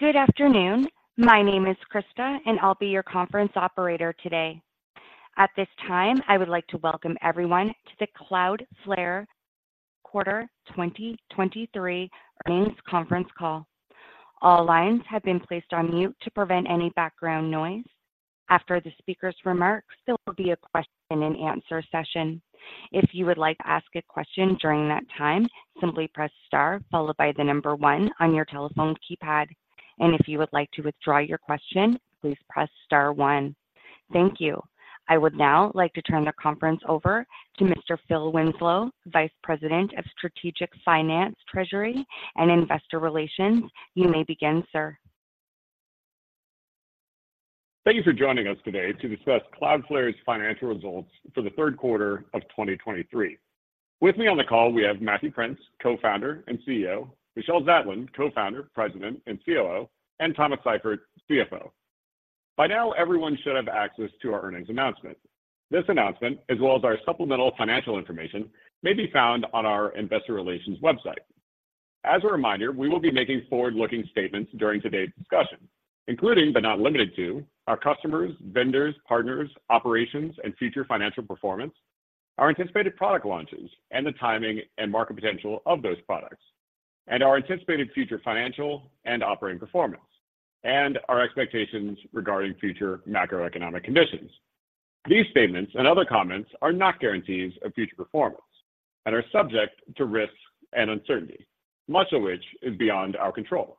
Good afternoon. My name is Krista, and I'll be your conference operator today. At this time, I would like to welcome everyone to the Cloudflare Third Quarter 2023 Earnings Conference Call. All lines have been placed on mute to prevent any background noise. After the speaker's remarks, there will be a question and answer session. If you would like to ask a question during that time, simply press star followed by the number one on your telephone keypad. And if you would like to withdraw your question, please press star one. Thank you. I would now like to turn the conference over to Mr. Phil Winslow, Vice President of Strategic Finance, Treasury, and Investor Relations. You may begin, sir. Thank you for joining us today to discuss Cloudflare's financial results for the third quarter of 2023. With me on the call, we have Matthew Prince, Co-founder and CEO, Michelle Zatlyn, Co-founder, President, and COO, and Thomas Seifert, CFO. By now, everyone should have access to our earnings announcement. This announcement, as well as our supplemental financial information, may be found on our investor relations website. As a reminder, we will be making forward-looking statements during today's discussion, including, but not limited to, our customers, vendors, partners, operations, and future financial performance, our anticipated product launches and the timing and market potential of those products, and our anticipated future financial and operating performance, and our expectations regarding future macroeconomic conditions. These statements and other comments are not guarantees of future performance and are subject to risks and uncertainty, much of which is beyond our control.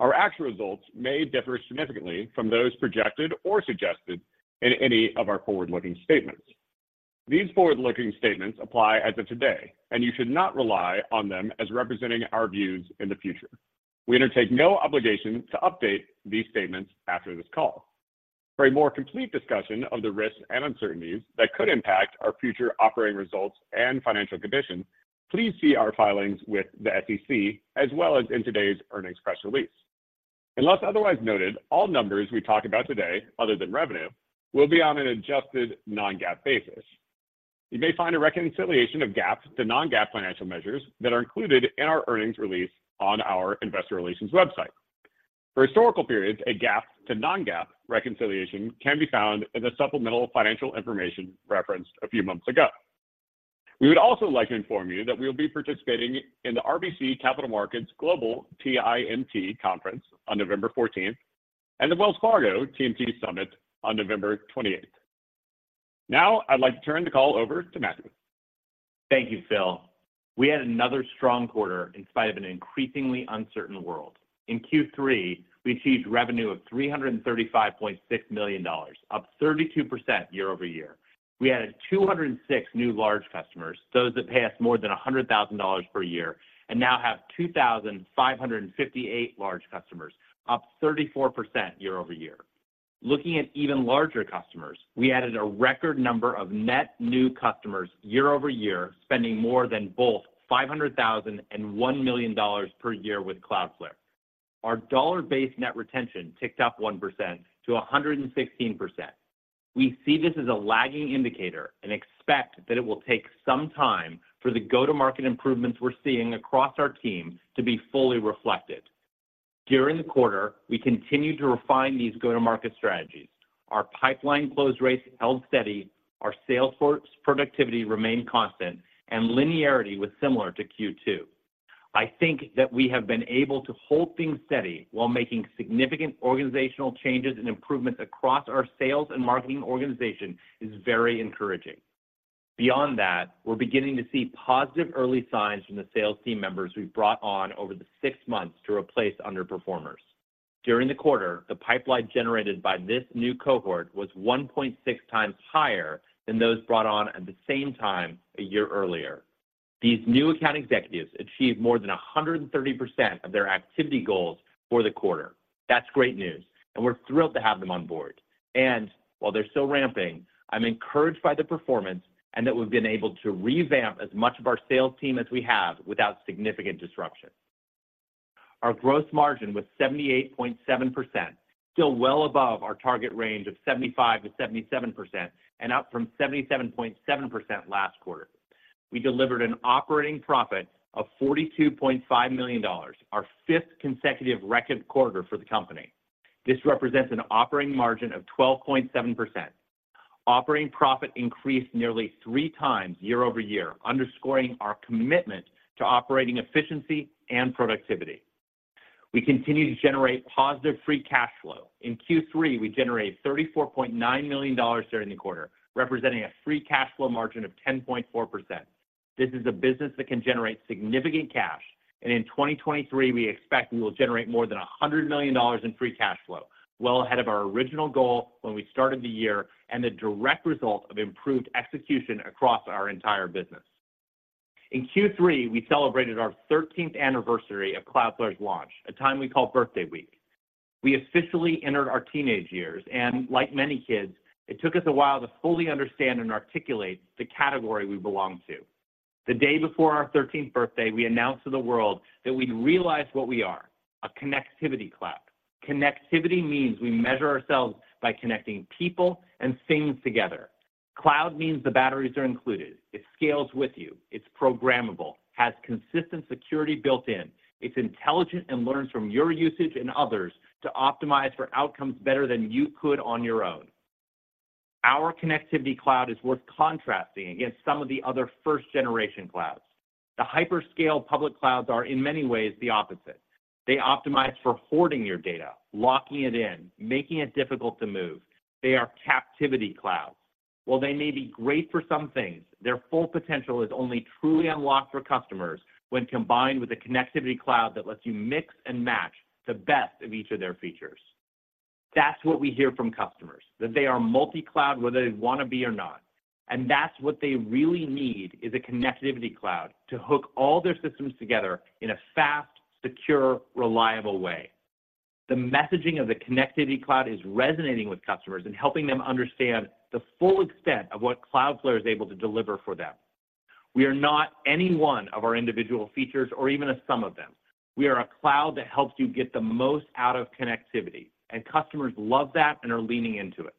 Our actual results may differ significantly from those projected or suggested in any of our forward-looking statements. These forward-looking statements apply as of today, and you should not rely on them as representing our views in the future. We undertake no obligation to update these statements after this call. For a more complete discussion of the risks and uncertainties that could impact our future operating results and financial condition, please see our filings with the SEC, as well as in today's earnings press release. Unless otherwise noted, all numbers we talk about today, other than revenue, will be on an adjusted non-GAAP basis. You may find a reconciliation of GAAP to non-GAAP financial measures that are included in our earnings release on our investor relations website. For historical periods, a GAAP to non-GAAP reconciliation can be found in the supplemental financial information referenced a few months ago. We would also like to inform you that we will be participating in the RBC Capital Markets Global TIMT Conference on November 14th and the Wells Fargo TMT Summit on November 28th. Now, I'd like to turn the call over to Matthew. Thank you, Phil. We had another strong quarter in spite of an increasingly uncertain world. In Q3, we achieved revenue of $335.6 million, up 32% year-over-year. We added 206 new large customers, those that pay us more than $100,000 per year, and now have 2,558 large customers, up 34% year-over-year. Looking at even larger customers, we added a record number of net new customers year-over-year, spending more than both $500,000 and $1 million per year with Cloudflare. Our dollar-based net retention ticked up 1%-116%. We see this as a lagging indicator and expect that it will take some time for the go-to-market improvements we're seeing across our team to be fully reflected. During the quarter, we continued to refine these go-to-market strategies. Our pipeline close rates held steady, our sales force productivity remained constant, and linearity was similar to Q2. I think that we have been able to hold things steady while making significant organizational changes and improvements across our sales and marketing organization, is very encouraging. Beyond that, we're beginning to see positive early signs from the sales team members we've brought on over the six months to replace underperformers. During the quarter, the pipeline generated by this new cohort was 1.6 times higher than those brought on at the same time a year earlier. These new account executives achieved more than 130% of their activity goals for the quarter. That's great news, and we're thrilled to have them on board. While they're still ramping, I'm encouraged by the performance and that we've been able to revamp as much of our sales team as we have without significant disruption. Our gross margin was 78.7%, still well above our target range of 75%-77% and up from 77.7% last quarter. We delivered an operating profit of $42.5 million, our fifth consecutive record quarter for the company. This represents an operating margin of 12.7%. Operating profit increased nearly three times year-over-year, underscoring our commitment to operating efficiency and productivity. We continue to generate positive free cash flow. In Q3, we generated $34.9 million during the quarter, representing a free cash flow margin of 10.4%. This is a business that can generate significant cash, and in 2023, we expect we will generate more than $100 million in free cash flow, well ahead of our original goal when we started the year and the direct result of improved execution across our entire business. In Q3, we celebrated our 13th anniversary of Cloudflare's launch, a time we call Birthday Week. We officially entered our teenage years, and like many kids, it took us a while to fully understand and articulate the category we belong to. The day before our 13th birthday, we announced to the world that we'd realized what we are, a connectivity cloud. Connectivity means we measure ourselves by connecting people and things together. Cloud means the batteries are included. It scales with you, it's programmable, has consistent security built in. It's intelligent and learns from your usage and others to optimize for outcomes better than you could on your own. Our connectivity cloud is worth contrasting against some of the other first-generation clouds. The hyperscale public clouds are, in many ways, the opposite. They optimize for hoarding your data, locking it in, making it difficult to move. They are captivity clouds. While they may be great for some things, their full potential is only truly unlocked for customers when combined with a connectivity cloud that lets you mix and match the best of each of their features. That's what we hear from customers, that they are multi-cloud, whether they want to be or not, and that's what they really need, is a connectivity cloud to hook all their systems together in a fast, secure, reliable way. The messaging of the connectivity cloud is resonating with customers and helping them understand the full extent of what Cloudflare is able to deliver for them. We are not any one of our individual features or even a sum of them. We are a cloud that helps you get the most out of connectivity, and customers love that and are leaning into it.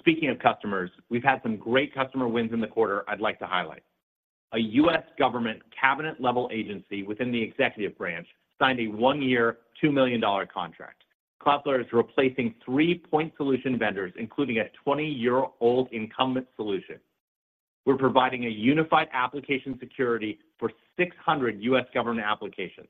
Speaking of customers, we've had some great customer wins in the quarter I'd like to highlight. A U.S. government cabinet-level agency within the executive branch signed a one-year, $2 million contract. Cloudflare is replacing three point solution vendors, including a 20-year-old incumbent solution. We're providing a unified application security for 600 U.S. government applications.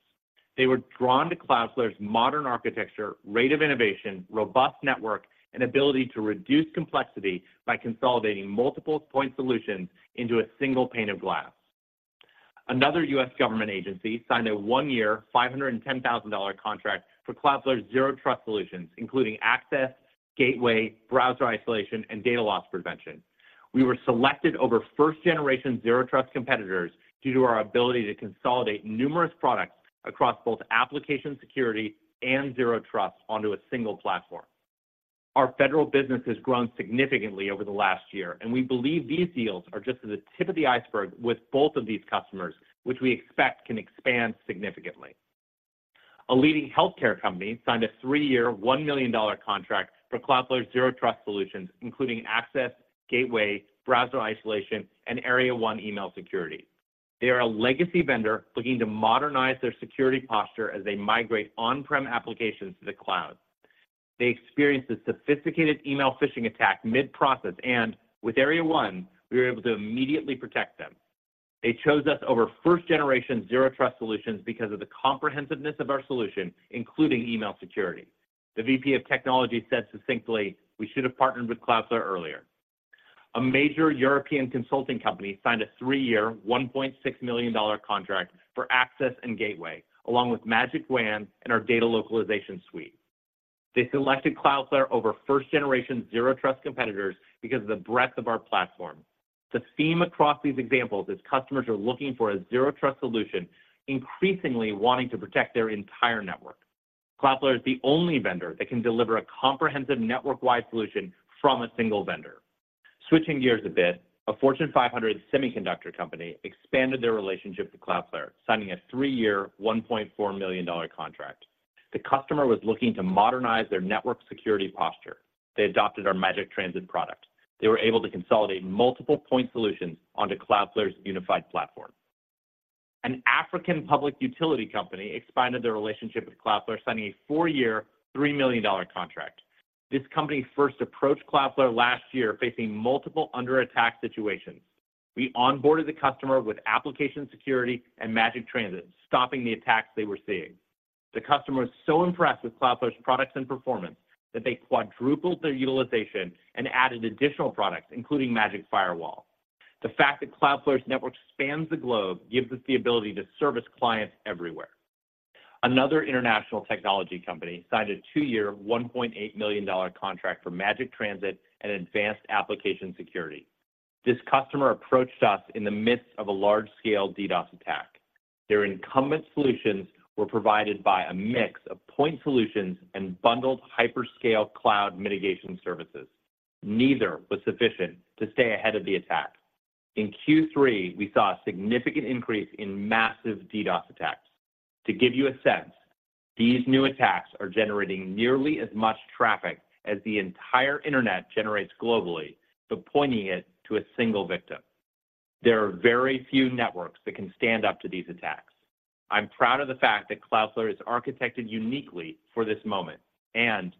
They were drawn to Cloudflare's modern architecture, rate of innovation, robust network, and ability to reduce complexity by consolidating multiple point solutions into a single pane of glass. Another U.S. government agency signed a one-year, $510,000 contract for Cloudflare's Zero Trust solutions, including Access, Gateway, Browser Isolation, and Data Loss Prevention. We were selected over first-generation Zero Trust competitors due to our ability to consolidate numerous products across both application security and Zero Trust onto a single platform. Our federal business has grown significantly over the last year, and we believe these deals are just the tip of the iceberg with both of these customers, which we expect can expand significantly. A leading healthcare company signed a three-year, $1 million contract for Cloudflare's Zero Trust solutions, including Access, Gateway, Browser Isolation, and Area 1 Email Security. They are a legacy vendor looking to modernize their security posture as they migrate on-prem applications to the cloud. They experienced a sophisticated email phishing attack mid-process, and with Area 1, we were able to immediately protect them. They chose us over first-generation Zero Trust solutions because of the comprehensiveness of our solution, including email security. The VP of Technology said succinctly, "We should have partnered with Cloudflare earlier." A major European consulting company signed a three-year, $1.6 million contract for Access and Gateway, along with Magic WAN and our Data Localization Suite. They selected Cloudflare over first-generation Zero Trust competitors because of the breadth of our platform. The theme across these examples is customers are looking for a Zero Trust solution, increasingly wanting to protect their entire network. Cloudflare is the only vendor that can deliver a comprehensive network-wide solution from a single vendor. Switching gears a bit, a Fortune 500 semiconductor company expanded their relationship to Cloudflare, signing a three-year, $1.4 million contract. The customer was looking to modernize their network security posture. They adopted our Magic Transit product. They were able to consolidate multiple point solutions onto Cloudflare's unified platform. An African public utility company expanded their relationship with Cloudflare, signing a four-year, $3 million contract. This company first approached Cloudflare last year, facing multiple under-attack situations. We onboarded the customer with application security and Magic Transit, stopping the attacks they were seeing. The customer was so impressed with Cloudflare's products and performance that they quadrupled their utilization and added additional products, including Magic Firewall. The fact that Cloudflare's network spans the globe gives us the ability to service clients everywhere. Another international technology company signed a two-year, $1.8 million contract for Magic Transit and Advanced Application Security. This customer approached us in the midst of a large-scale DDoS attack. Their incumbent solutions were provided by a mix of point solutions and bundled hyperscale cloud mitigation services. Neither was sufficient to stay ahead of the attack. In Q3, we saw a significant increase in massive DDoS attacks. To give you a sense, these new attacks are generating nearly as much traffic as the entire internet generates globally, but pointing it to a single victim. There are very few networks that can stand up to these attacks. I'm proud of the fact that Cloudflare is architected uniquely for this moment, and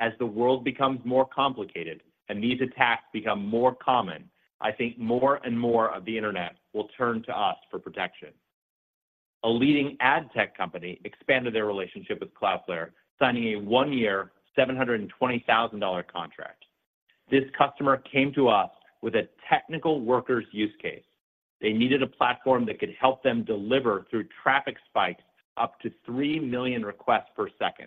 as the world becomes more complicated and these attacks become more common, I think more and more of the internet will turn to us for protection. A leading ad tech company expanded their relationship with Cloudflare, signing a one-year, $720,000 contract. This customer came to us with a technical Workers use case. They needed a platform that could help them deliver through traffic spikes, up to 3 million requests per second.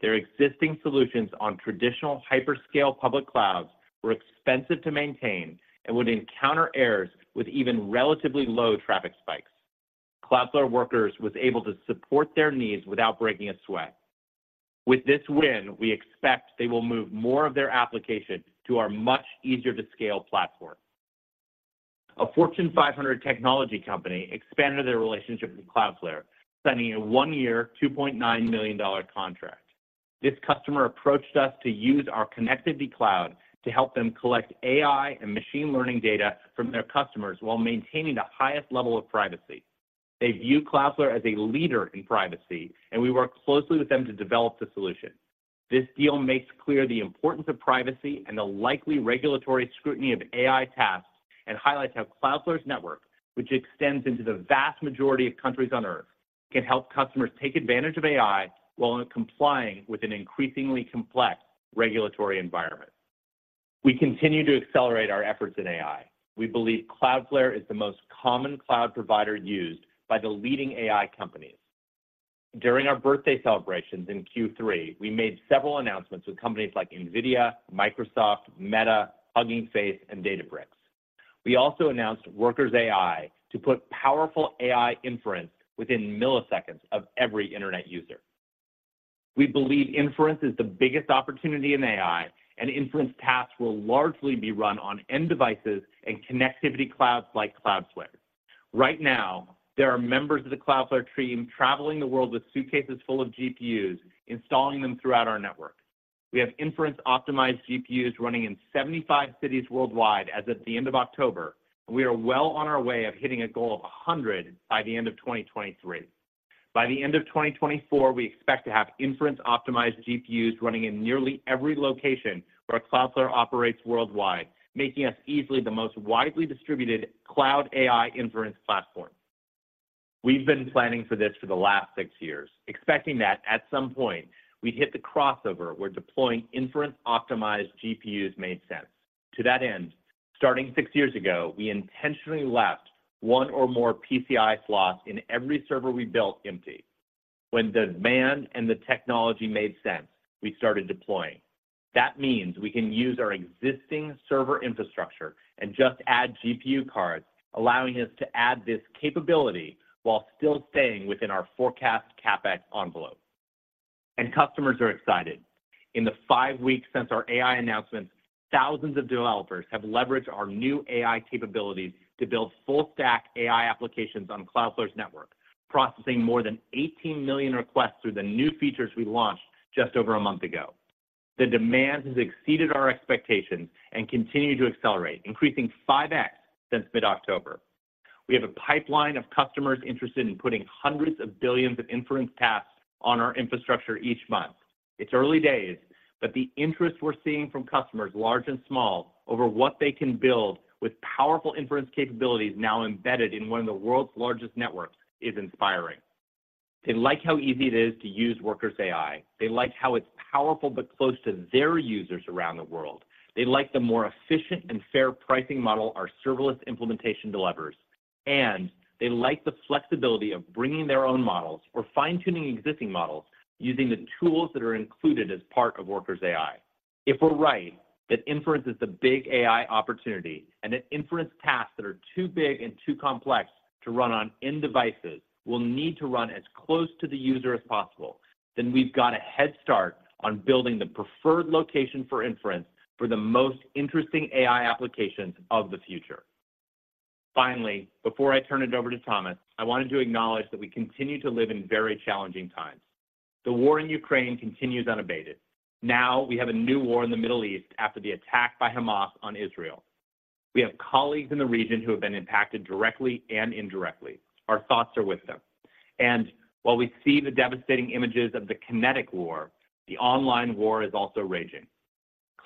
Their existing solutions on traditional hyperscale public clouds were expensive to maintain and would encounter errors with even relatively low traffic spikes. Cloudflare Workers was able to support their needs without breaking a sweat. With this win, we expect they will move more of their applications to our much easier-to-scale platform. A Fortune 500 technology company expanded their relationship with Cloudflare, signing a one-year, $2.9 million contract. This customer approached us to use our connectivity cloud to help them collect AI and machine learning data from their customers while maintaining the highest level of privacy. They view Cloudflare as a leader in privacy, and we worked closely with them to develop the solution. This deal makes clear the importance of privacy and the likely regulatory scrutiny of AI tasks, and highlights how Cloudflare's network, which extends into the vast majority of countries on Earth, can help customers take advantage of AI while complying with an increasingly complex regulatory environment. We continue to accelerate our efforts in AI. We believe Cloudflare is the most common cloud provider used by the leading AI companies. During our birthday celebrations in Q3, we made several announcements with companies like NVIDIA, Microsoft, Meta, Hugging Face, and Databricks. We also announced Workers AI to put powerful AI inference within milliseconds of every internet user. We believe inference is the biggest opportunity in AI, and inference tasks will largely be run on end devices and connectivity clouds like Cloudflare. Right now, there are members of the Cloudflare team traveling the world with suitcases full of GPUs, installing them throughout our network. We have inference-optimized GPUs running in 75 cities worldwide as of the end of October, and we are well on our way of hitting a goal of 100 by the end of 2023. By the end of 2024, we expect to have inference-optimized GPUs running in nearly every location where Cloudflare operates worldwide, making us easily the most widely distributed cloud AI inference platform. We've been planning for this for the last six years, expecting that at some point, we'd hit the crossover where deploying inference-optimized GPUs made sense. To that end, starting six years ago, we intentionally left one or more PCI slots in every server we built empty. When demand and the technology made sense, we started deploying. That means we can use our existing server infrastructure and just add GPU cards, allowing us to add this capability while still staying within our forecast CapEx envelope. Customers are excited. In the five weeks since our AI announcements, thousands of developers have leveraged our new AI capabilities to build full stack AI applications on Cloudflare's network, processing more than 18 million requests through the new features we launched just over a month ago. The demand has exceeded our expectations and continue to accelerate, increasing 5x since mid-October. We have a pipeline of customers interested in putting hundreds of billions of inference tasks on our infrastructure each month. It's early days, but the interest we're seeing from customers, large and small, over what they can build with powerful inference capabilities now embedded in one of the world's largest networks, is inspiring. They like how easy it is to use Workers AI. They like how it's powerful but close to their users around the world. They like the more efficient and fair pricing model our serverless implementation delivers, and they like the flexibility of bringing their own models or fine-tuning existing models using the tools that are included as part of Workers AI. If we're right, that inference is the big AI opportunity and that inference tasks that are too big and too complex to run on end devices will need to run as close to the user as possible, then we've got a head start on building the preferred location for inference for the most interesting AI applications of the future. Finally, before I turn it over to Thomas, I wanted to acknowledge that we continue to live in very challenging times. The war in Ukraine continues unabated. Now, we have a new war in the Middle East after the attack by Hamas on Israel. We have colleagues in the region who have been impacted directly and indirectly. Our thoughts are with them. And while we see the devastating images of the kinetic war, the online war is also raging.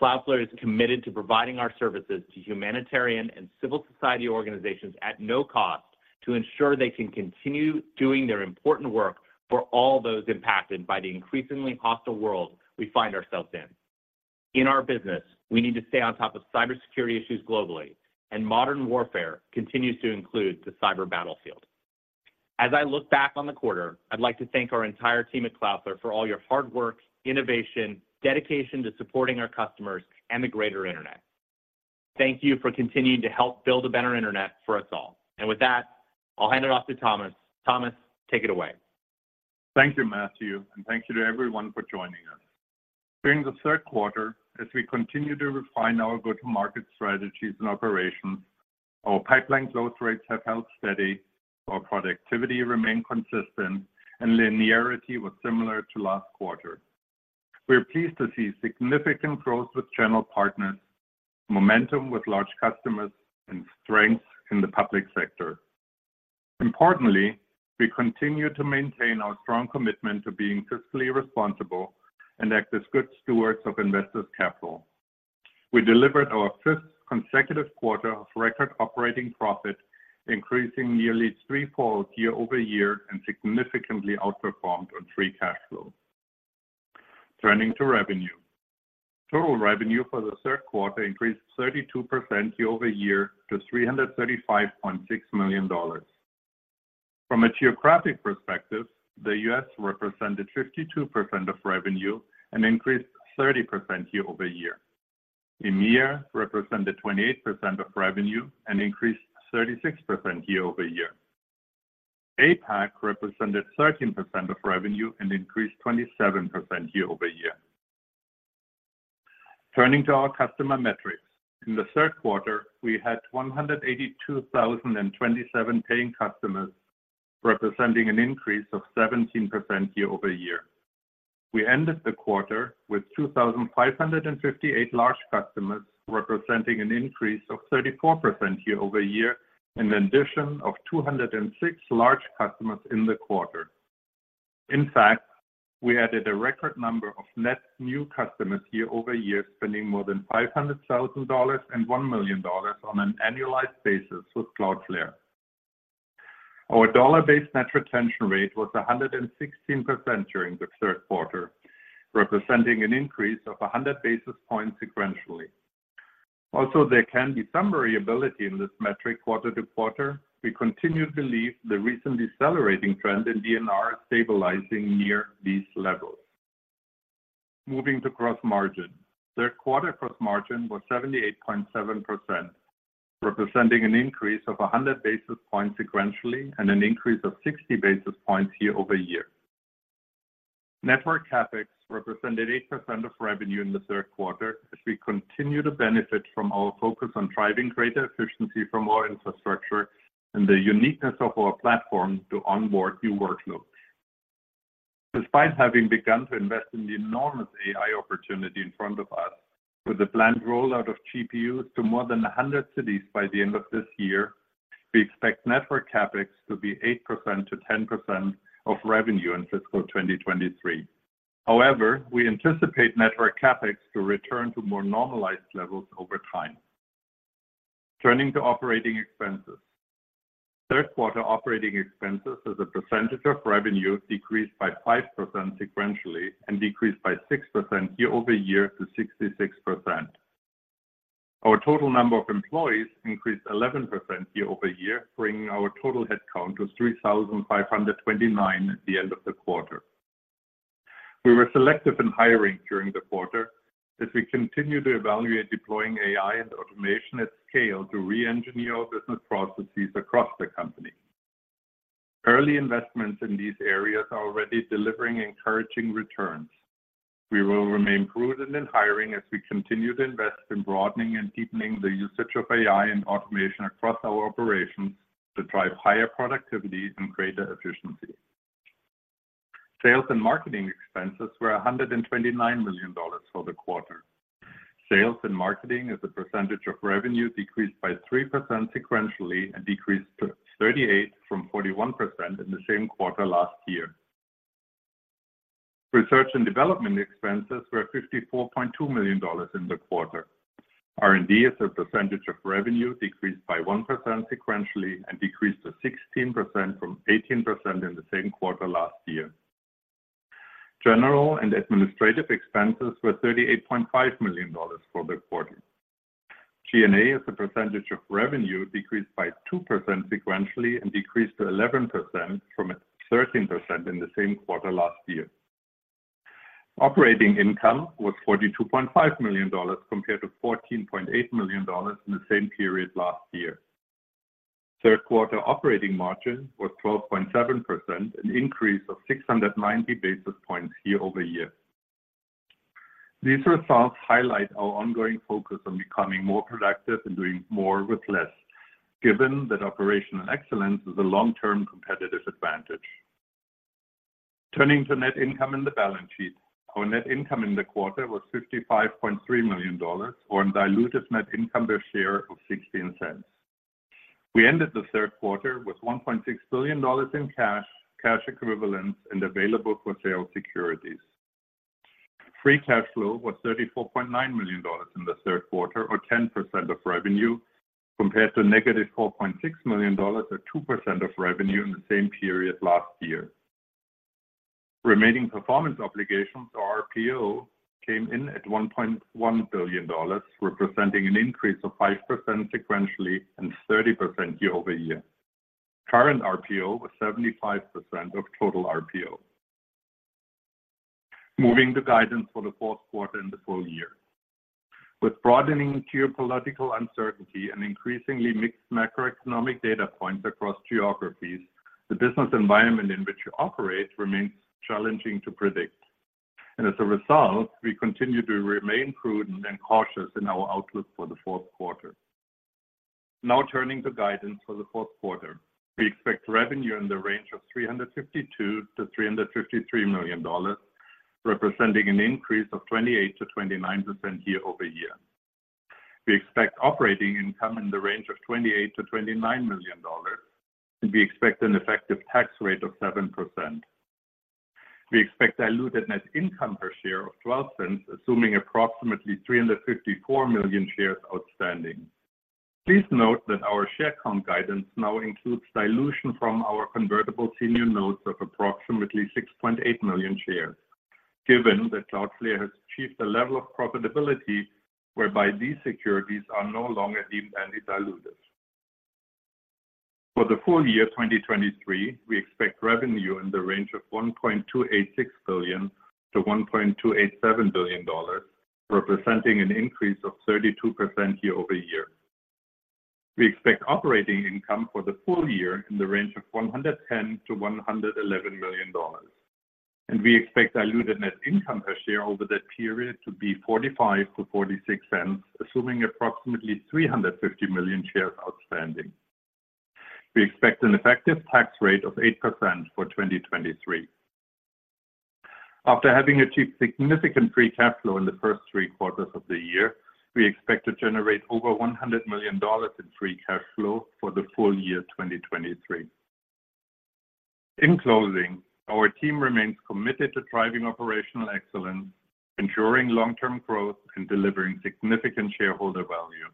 Cloudflare is committed to providing our services to humanitarian and civil society organizations at no cost, to ensure they can continue doing their important work for all those impacted by the increasingly hostile world we find ourselves in. In our business, we need to stay on top of cybersecurity issues globally, and modern warfare continues to include the cyber battlefield. As I look back on the quarter, I'd like to thank our entire team at Cloudflare for all your hard work, innovation, dedication to supporting our customers and the greater internet. Thank you for continuing to help build a better internet for us all. With that, I'll hand it off to Thomas. Thomas, take it away. Thank you, Matthew, and thank you to everyone for joining us. During the third quarter, as we continue to refine our go-to-market strategies and operations, our pipeline growth rates have held steady, our productivity remained consistent, and linearity was similar to last quarter. We are pleased to see significant growth with channel partners, momentum with large customers, and strength in the public sector. Importantly, we continue to maintain our strong commitment to being fiscally responsible and act as good stewards of investors' capital. We delivered our fifth consecutive quarter of record operating profit, increasing nearly threefold year-over-year, and significantly outperformed on free cash flow. Turning to revenue. Total revenue for the third quarter increased 32% year-over-year to $335.6 million. From a geographic perspective, the U.S. represented 52% of revenue and increased 30% year-over-year. EMEA represented 28% of revenue and increased 36% year-over-year. APAC represented 13% of revenue and increased 27% year-over-year. Turning to our customer metrics. In the third quarter, we had 182,027 paying customers, representing an increase of 17% year-over-year. We ended the quarter with 2,558 large customers, representing an increase of 34% year-over-year, an addition of 206 large customers in the quarter. In fact, we added a record number of net new customers year-over-year, spending more than $500,000 and $1 million on an annualized basis with Cloudflare. Our dollar-based net retention rate was 116% during the third quarter, representing an increase of 100 basis points sequentially. Also, there can be some variability in this metric quarter to quarter. We continue to believe the recent decelerating trend in DNR is stabilizing near these levels. Moving to gross margin. Third quarter gross margin was 78.7%, representing an increase of 100 basis points sequentially, and an increase of 60 basis points year-over-year. Network CapEx represented 8% of revenue in the third quarter, as we continue to benefit from our focus on driving greater efficiency from our infrastructure and the uniqueness of our platform to onboard new workloads. Despite having begun to invest in the enormous AI opportunity in front of us, with a planned rollout of GPUs to more than 100 cities by the end of this year, we expect network CapEx to be 8%-10% of revenue in fiscal 2023. However, we anticipate network CapEx to return to more normalized levels over time. Turning to operating expenses. Third quarter operating expenses as a percentage of revenue decreased by 5% sequentially, and decreased by 6% year-over-year to 66%. Our total number of employees increased 11% year-over-year, bringing our total headcount to 3,529 at the end of the quarter. We were selective in hiring during the quarter, as we continue to evaluate deploying AI and automation at scale to re-engineer our business processes across the company. Early investments in these areas are already delivering encouraging returns. We will remain prudent in hiring as we continue to invest in broadening and deepening the usage of AI and automation across our operations to drive higher productivity and greater efficiency. Sales and marketing expenses were $129 million for the quarter. Sales and marketing, as a percentage of revenue, decreased by 3% sequentially, and decreased to 38% from 41% in the same quarter last year. Research and development expenses were $54.2 million in the quarter. R&D, as a percentage of revenue, decreased by 1% sequentially and decreased to 16% from 18% in the same quarter last year. General and administrative expenses were $38.5 million for the quarter. G&A, as a percentage of revenue, decreased by 2% sequentially and decreased to 11% from 13% in the same quarter last year. Operating income was $42.5 million, compared to $14.8 million in the same period last year. Third quarter operating margin was 12.7%, an increase of 690 basis points year-over-year. These results highlight our ongoing focus on becoming more productive and doing more with less, given that operational excellence is a long-term competitive advantage. Turning to net income and the balance sheet. Our net income in the quarter was $55.3 million, or a diluted net income per share of $0.16. We ended the third quarter with $1.6 billion in cash, cash equivalents, and available-for-sale securities. Free cash flow was $34.9 million in the third quarter, or 10% of revenue, compared to -$4.6 million, or 2% of revenue in the same period last year. Remaining performance obligations, or RPO, came in at $1.1 billion, representing an increase of 5% sequentially and 30% year-over-year. Current RPO was 75% of total RPO. Moving to guidance for the fourth quarter and the full year. With broadening geopolitical uncertainty and increasingly mixed macroeconomic data points across geographies, the business environment in which we operate remains challenging to predict. And as a result, we continue to remain prudent and cautious in our outlook for the fourth quarter. Now, turning to guidance for the fourth quarter. We expect revenue in the range of $352 million-$353 million, representing an increase of 28%-29% year-over-year. We expect operating income in the range of $28 million-$29 million, and we expect an effective tax rate of 7%. We expect diluted net income per share of $0.12, assuming approximately 354 million shares outstanding. Please note that our share count guidance now includes dilution from our convertible senior notes of approximately 6.8 million shares, given that Cloudflare has achieved a level of profitability whereby these securities are no longer deemed and diluted. For the full year 2023, we expect revenue in the range of $1.286 billion-$1.287 billion, representing a 32% increase year-over-year. We expect operating income for the full year in the range of $110 million-$111 million. We expect diluted net income per share over that period to be $0.45-$0.46, assuming approximately 350 million shares outstanding. We expect an effective tax rate of 8% for 2023. After having achieved significant free cash flow in the first three quarters of the year, we expect to generate over $100 million in free cash flow for the full year 2023. In closing, our team remains committed to driving operational excellence, ensuring long-term growth, and delivering significant shareholder value.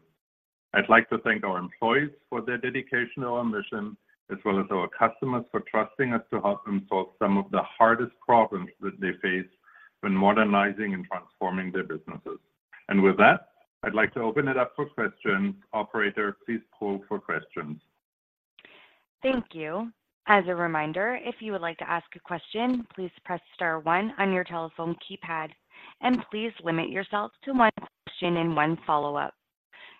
I'd like to thank our employees for their dedication to our mission, as well as our customers for trusting us to help them solve some of the hardest problems that they face when modernizing and transforming their businesses. And with that, I'd like to open it up for questions. Operator, please poll for questions. Thank you. As a reminder, if you would like to ask a question, please press star one on your telephone keypad, and please limit yourself to one question and one follow-up.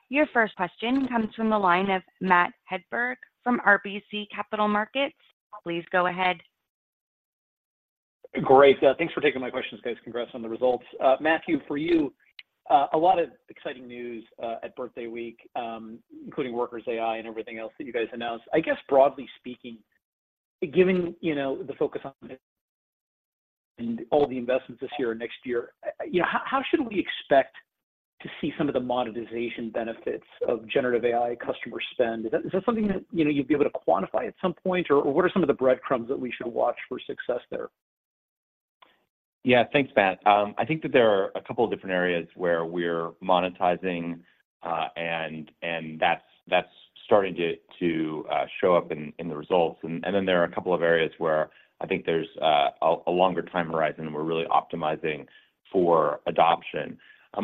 Your first question comes from the line of Matt Hedberg from RBC Capital Markets. Please go ahead. Great. Thanks for taking my questions, guys. Congrats on the results. Matthew, for you, a lot of exciting news at Birthday Week, including Workers AI and everything else that you guys announced. I guess broadly speaking, given, you know, the focus on and all the investments this year or next year, you know, how should we expect to see some of the monetization benefits of generative AI customer spend? Is that something that, you know, you'd be able to quantify at some point, or what are some of the breadcrumbs that we should watch for success there? Yeah. Thanks, Matt. I think that there are a couple of different areas where we're monetizing, and that's starting to show up in the results. Then there are a couple of areas where I think there's a longer time horizon, and we're really optimizing for adoption.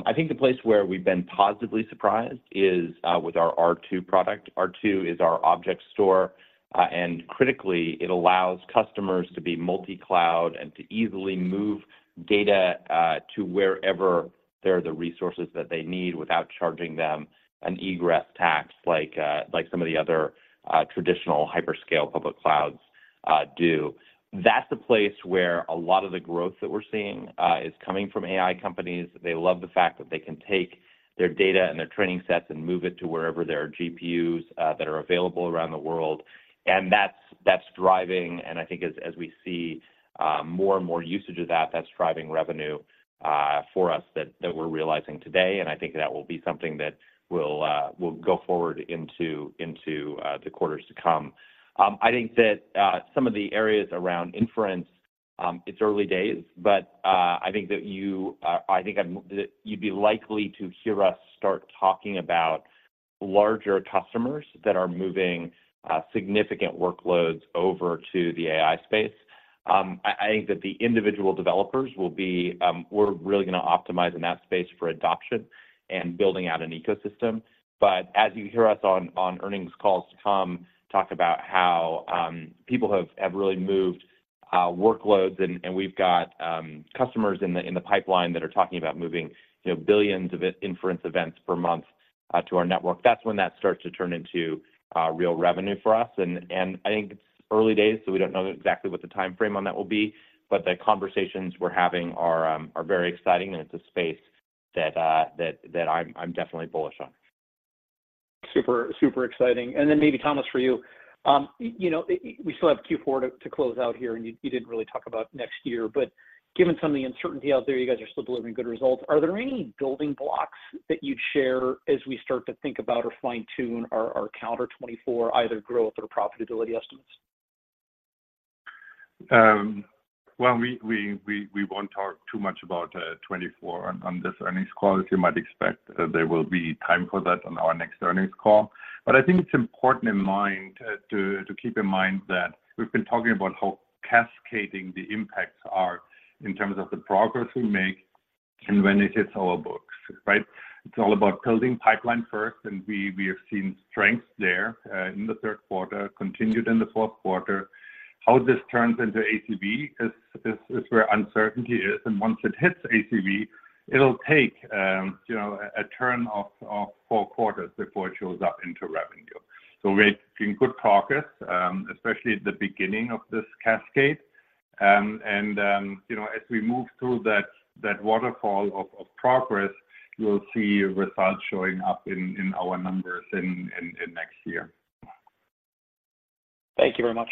I think the place where we've been positively surprised is with our R2 product. R2 is our object store, and critically, it allows customers to be multi-cloud and to easily move data to wherever they're the resources that they need without charging them an egress tax, like some of the other traditional hyperscale public clouds do. That's the place where a lot of the growth that we're seeing is coming from AI companies. They love the fact that they can take their data and their training sets and move it to wherever there are GPUs that are available around the world, and that's driving. And I think as we see more and more usage of that, that's driving revenue for us that we're realizing today, and I think that will be something that will go forward into the quarters to come. I think that some of the areas around inference, it's early days, but I think that you'd be likely to hear us start talking about larger customers that are moving significant workloads over to the AI space. I think that the individual developers will be, we're really gonna optimize in that space for adoption and building out an ecosystem. But as you hear us on earnings calls to come, talk about how people have really moved workloads, and we've got customers in the pipeline that are talking about moving, you know, billions of inference events per month to our network. That's when that starts to turn into real revenue for us. And I think it's early days, so we don't know exactly what the timeframe on that will be, but the conversations we're having are very exciting, and it's a space that I'm definitely bullish on. Super, super exciting. And then maybe, Thomas, for you. You know, we still have Q4 to close out here, and you didn't really talk about next year. But given some of the uncertainty out there, you guys are still delivering good results. Are there any building blocks that you'd share as we start to think about or fine-tune our calendar 2024, either growth or profitability estimates? Well, we won't talk too much about 2024 on this earnings call. As you might expect, there will be time for that on our next earnings call. But I think it's important in mind, to keep in mind that we've been talking about how cascading the impacts are in terms of the progress we make and when it hits our books, right? It's all about building pipeline first, and we have seen strength there in the third quarter, continued in the fourth quarter. How this turns into ACV is where uncertainty is, and once it hits ACV, it'll take, you know, a turn of four quarters before it shows up into revenue. So we're making good progress, especially at the beginning of this cascade. And, you know, as we move through that waterfall of progress, you'll see results showing up in our numbers in next year. Thank you very much.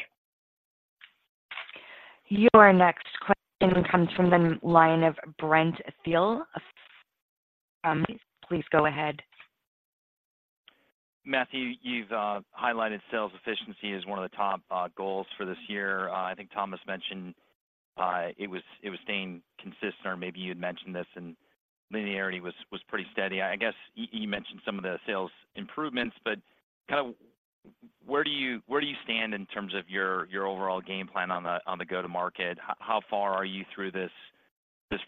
Your next question comes from the line of Brent Thill of Jefferies please go ahead. Matthew, you've highlighted sales efficiency as one of the top goals for this year. I think Thomas mentioned it was staying consistent, or maybe you'd mentioned this, and linearity was pretty steady. I guess you mentioned some of the sales improvements, but kind of where do you stand in terms of your overall game plan on the go-to-market? How far are you through this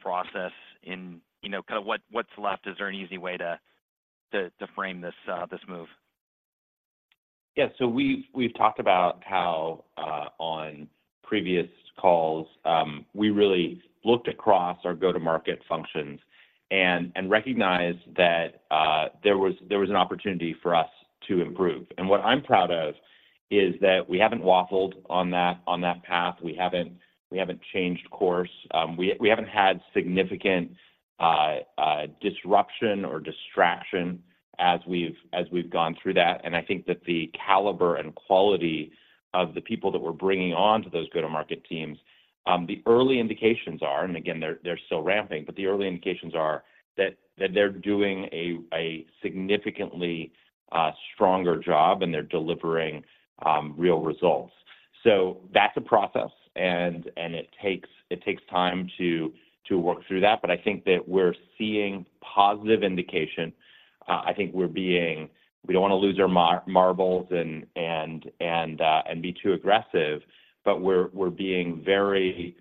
process? And you know, kind of what's left? Is there an easy way to frame this move? Yeah, so we've talked about how on previous calls we really looked across our go-to-market functions and recognized that there was an opportunity for us to improve. And what I'm proud of is that we haven't waffled on that path. We haven't changed course. We haven't had significant disruption or distraction as we've gone through that. And I think that the caliber and quality of the people that we're bringing on to those go-to-market teams, the early indications are, and again, they're still ramping, but the early indications are that they're doing a significantly stronger job, and they're delivering real results. So that's a process, and it takes time to work through that, but I think that we're seeing positive indication. I think we don't wanna lose our marbles and be too aggressive, but we're being very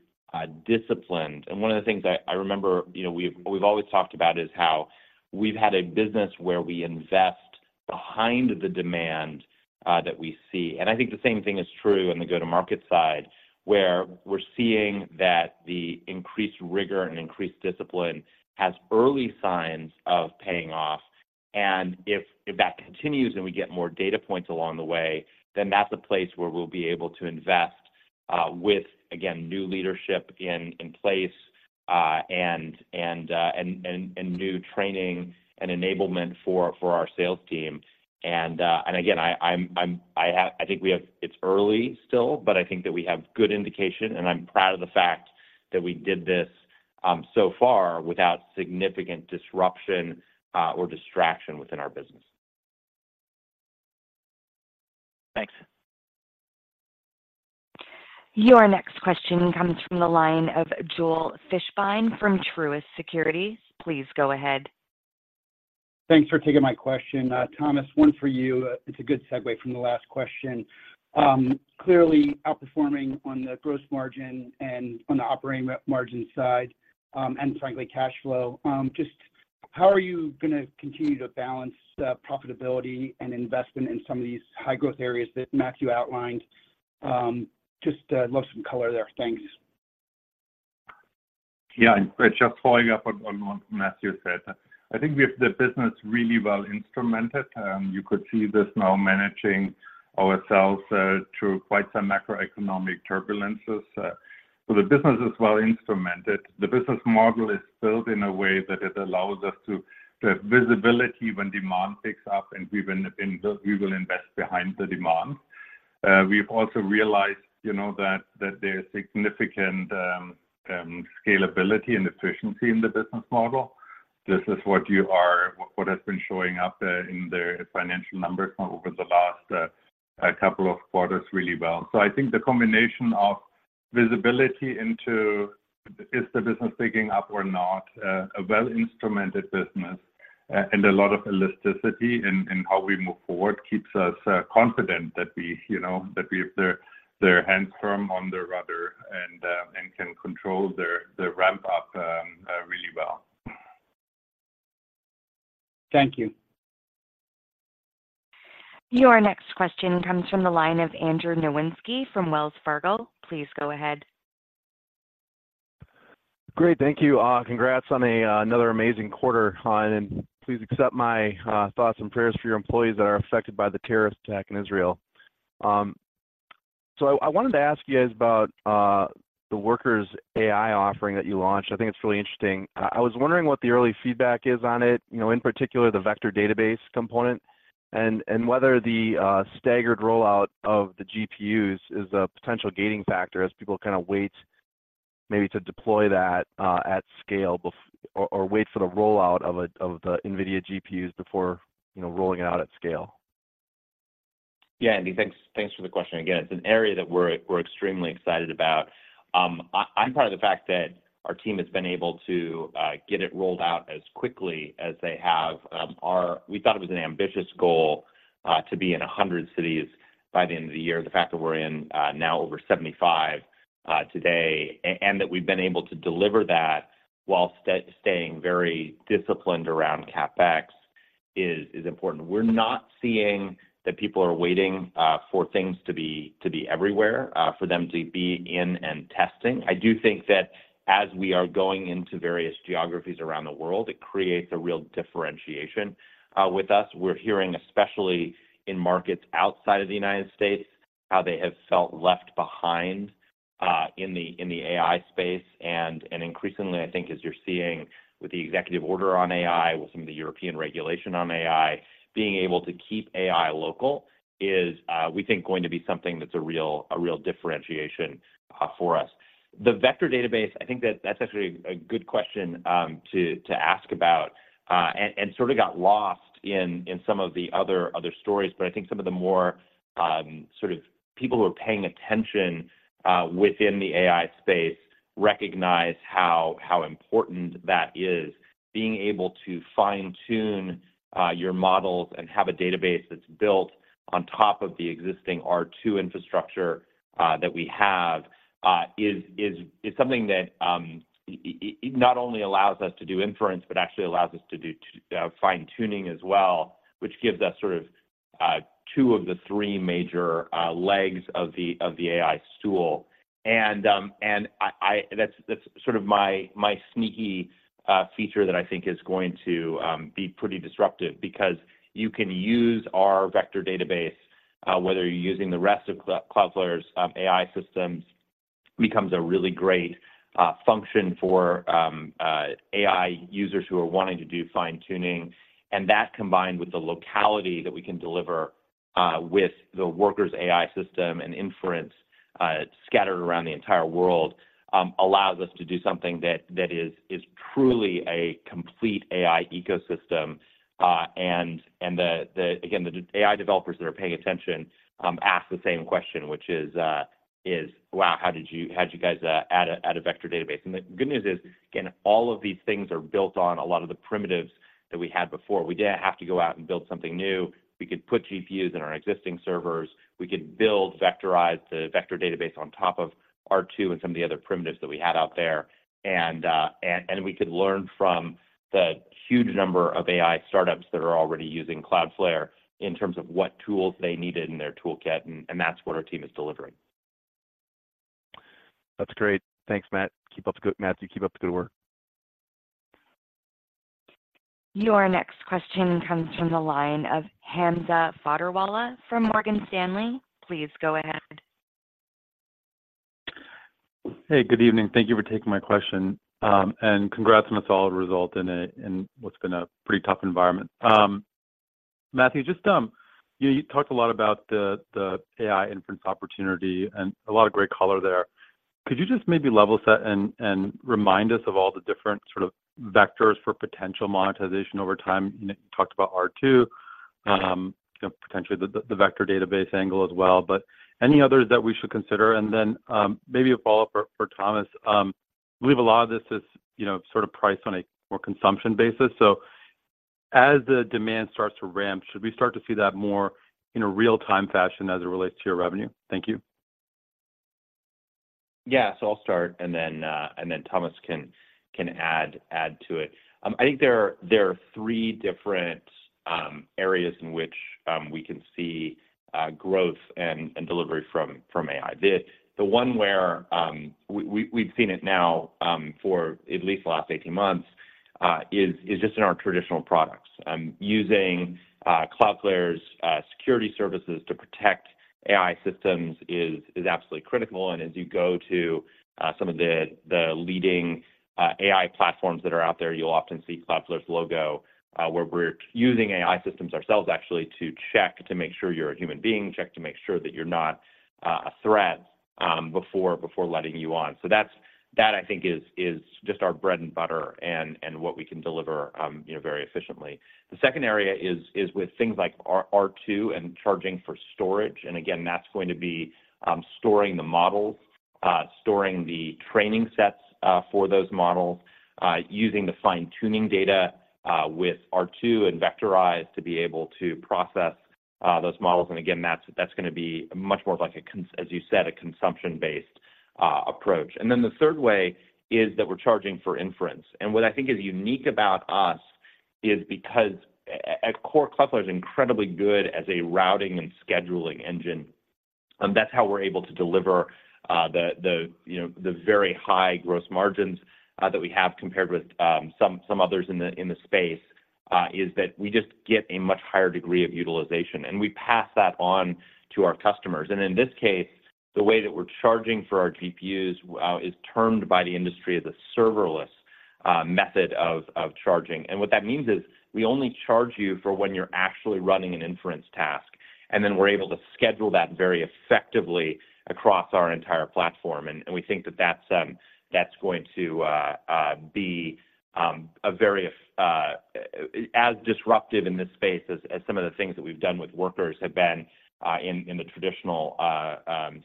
disciplined. And one of the things I remember, you know, we've always talked about is how we've had a business where we invest behind the demand that we see. And I think the same thing is true on the go-to-market side, where we're seeing that the increased rigor and increased discipline has early signs of paying off. And if that continues, and we get more data points along the way, then that's a place where we'll be able to invest, again, with new leadership in place and new training and enablement for our sales team. Again, I think we have. It's early still, but I think that we have good indication, and I'm proud of the fact that we did this so far without significant disruption or distraction within our business. Thanks. Your next question comes from the line of Joel Fishbein from Truist Securities. Please go ahead. Thanks for taking my question. Thomas, one for you. It's a good segue from the last question. Clearly outperforming on the gross margin and on the operating margin side, and frankly, cash flow. Just how are you gonna continue to balance the profitability and investment in some of these high growth areas that Matthew outlined? Just love some color there. Thanks. Yeah, and just following up on what Matthew said, I think we have the business really well instrumented. You could see this now managing ourselves through quite some macroeconomic turbulences. So the business is well instrumented. The business model is built in a way that it allows us to have visibility when demand picks up, and we will invest behind the demand. We've also realized, you know, that there is significant scalability and efficiency in the business model. This is what has been showing up in the financial numbers over the last couple of quarters really well. So I think the combination of visibility into, is the business picking up or not, a well instrumented business, and a lot of elasticity in how we move forward, keeps us confident that we, you know, that we have the hands firm on the rudder and can control the ramp up, really well. Thank you. Your next question comes from the line of Andrew Nowinski from Wells Fargo. Please go ahead. Great, thank you. Congrats on another amazing quarter, and please accept my thoughts and prayers for your employees that are affected by the terrorist attack in Israel. So I wanted to ask you guys about the Workers AI offering that you launched. I think it's really interesting. I was wondering what the early feedback is on it, you know, in particular, the vector database component, and whether the staggered rollout of the GPUs is a potential gating factor as people kinda wait maybe to deploy that at scale before or wait for the rollout of the NVIDIA GPUs before, you know, rolling it out at scale. Yeah, Andy, thanks for the question. Again, it's an area that we're extremely excited about. I'm proud of the fact that our team has been able to get it rolled out as quickly as they have. We thought it was an ambitious goal to be in 100 cities by the end of the year. The fact that we're in now over 75 today, and that we've been able to deliver that while staying very disciplined around CapEx is important. We're not seeing that people are waiting for things to be everywhere for them to be in and testing. I do think that as we are going into various geographies around the world, it creates a real differentiation. With us, we're hearing, especially in markets outside of the United States, how they have felt left behind in the AI space. Increasingly, I think as you're seeing with the executive order on AI, with some of the European regulation on AI, being able to keep AI local is, we think, going to be something that's a real, a real differentiation for us. The vector database, I think that's actually a good question to ask about, and sort of got lost in some of the other stories. But I think some of the more, sort of people who are paying attention within the AI space recognize how, how important that is. Being able to fine-tune your models and have a database that's built on top of the existing R2 infrastructure that we have is something that it not only allows us to do inference, but actually allows us to do fine-tuning as well, which gives us sort of two of the three major legs of the AI stool. That's sort of my sneaky feature that I think is going to be pretty disruptive because you can use our vector database whether you're using the rest of Cloudflare's AI systems becomes a really great function for AI users who are wanting to do fine-tuning. And that, combined with the locality that we can deliver with the Workers' AI system and inference scattered around the entire world, allows us to do something that is truly a complete AI ecosystem. And the AI developers that are paying attention ask the same question, which is: "Wow, how'd you guys add a vector database?" And the good news is, again, all of these things are built on a lot of the primitives that we had before. We didn't have to go out and build something new. We could put GPUs in our existing servers. We could build Vectorize, the vector database, on top of R2 and some of the other primitives that we had out there. We could learn from the huge number of AI startups that are already using Cloudflare in terms of what tools they needed in their toolkit, and that's what our team is delivering. That's great. Thanks, Matt. Matthew, keep up the good work. Your next question comes from the line of Hamza Fodderwala from Morgan Stanley. Please go ahead. Hey, good evening. Thank you for taking my question. And congrats on a solid result in what's been a pretty tough environment. Matthew, just, you talked a lot about the AI inference opportunity and a lot of great color there. Could you just maybe level set and remind us of all the different sort of vectors for potential monetization over time? You talked about R2, you know, potentially the vector database angle as well, but any others that we should consider? And then, maybe a follow-up for Thomas. I believe a lot of this is, you know, sort of priced on a more consumption basis. So as the demand starts to ramp, should we start to see that more in a real-time fashion as it relates to your revenue? Thank you. Yeah. So I'll start, and then Thomas can add to it. I think there are three different areas in which we can see growth and delivery from AI. The one where we've seen it now for at least the last 18 months is just in our traditional products. Using Cloudflare's security services to protect AI systems is absolutely critical. And as you go to some of the leading AI platforms that are out there, you'll often see Cloudflare's logo, where we're using AI systems ourselves actually to check to make sure you're a human being, check to make sure that you're not a threat before letting you on. So that's that I think is just our bread and butter and what we can deliver, you know, very efficiently. The second area is with things like R2 and charging for storage. And again, that's going to be storing the models, storing the training sets for those models, using the fine-tuning data with R2 and Vectorize to be able to process those models. And again, that's gonna be much more of like a consumption-based approach, as you said. And then the third way is that we're charging for inference. What I think is unique about us is because at core, Cloudflare is incredibly good as a routing and scheduling engine, and that's how we're able to deliver the you know the very high gross margins that we have, compared with some others in the space is that we just get a much higher degree of utilization, and we pass that on to our customers. In this case, the way that we're charging for our GPUs is termed by the industry as a serverless method of charging. What that means is, we only charge you for when you're actually running an inference task, and then we're able to schedule that very effectively across our entire platform. We think that that's going to be a very... as disruptive in this space as some of the things that we've done with workers have been in the traditional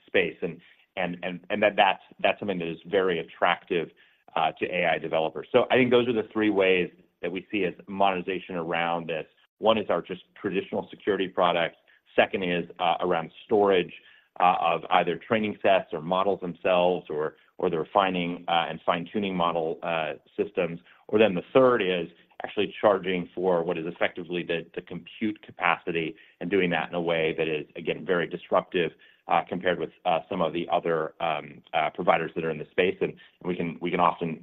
space. That is something that is very attractive to AI developers. So I think those are the three ways that we see as monetization around this. One is our just traditional security products, second is around storage of either training sets or models themselves, or the refining and fine-tuning model systems. Or then the third is actually charging for what is effectively the compute capacity, and doing that in a way that is, again, very disruptive compared with some of the other providers that are in the space. We can often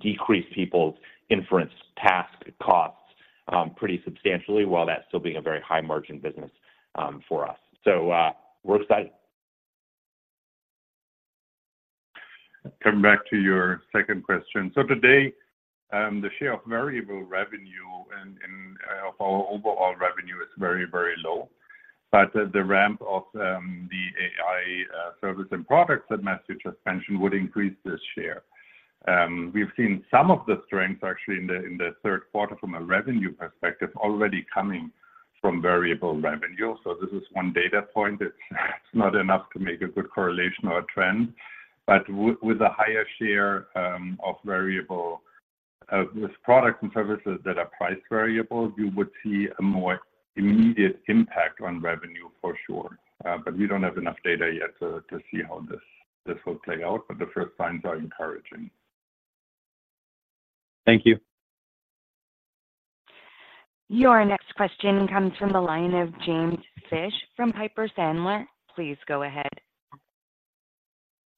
decrease people's inference task costs pretty substantially, while that's still being a very high-margin business for us. We're excited. Coming back to your second question. So today, the share of variable revenue and of our overall revenue is very, very low. But the ramp of the AI service and products that Matthew just mentioned would increase this share. We've seen some of the strengths actually in the third quarter from a revenue perspective, already coming from variable revenue. So this is one data point. It's not enough to make a good correlation or a trend, but with a higher share of variable with products and services that are price variable, you would see a more immediate impact on revenue for sure. But we don't have enough data yet to see how this will play out, but the first signs are encouraging. Thank you. Your next question comes from the line of James Fish from Piper Sandler. Please go ahead.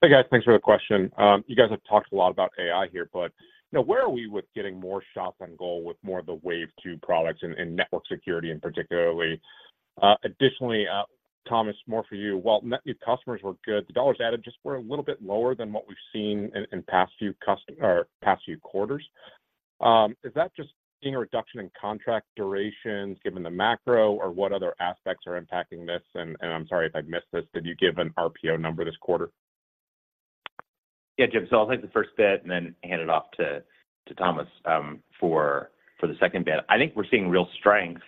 Hey, guys. Thanks for the question. You guys have talked a lot about AI here, but, you know, where are we with getting more shots on goal with more of the wave two products and network security in particular? Additionally, Thomas, more for you. While net new customers were good, the dollars added just were a little bit lower than what we've seen in past few quarters. Is that just seeing a reduction in contract durations given the macro, or what other aspects are impacting this? And I'm sorry if I've missed this, did you give an RPO number this quarter? Yeah, Jim, so I'll take the first bit and then hand it off to Thomas for the second bit. I think we're seeing real strength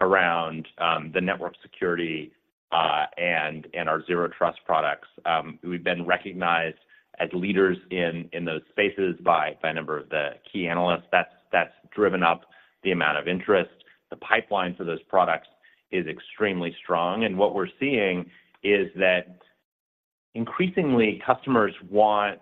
around the network security and our Zero Trust products. We've been recognized as leaders in those spaces by a number of the key analysts. That's driven up the amount of interest. The pipeline for those products is extremely strong, and what we're seeing is that increasingly customers want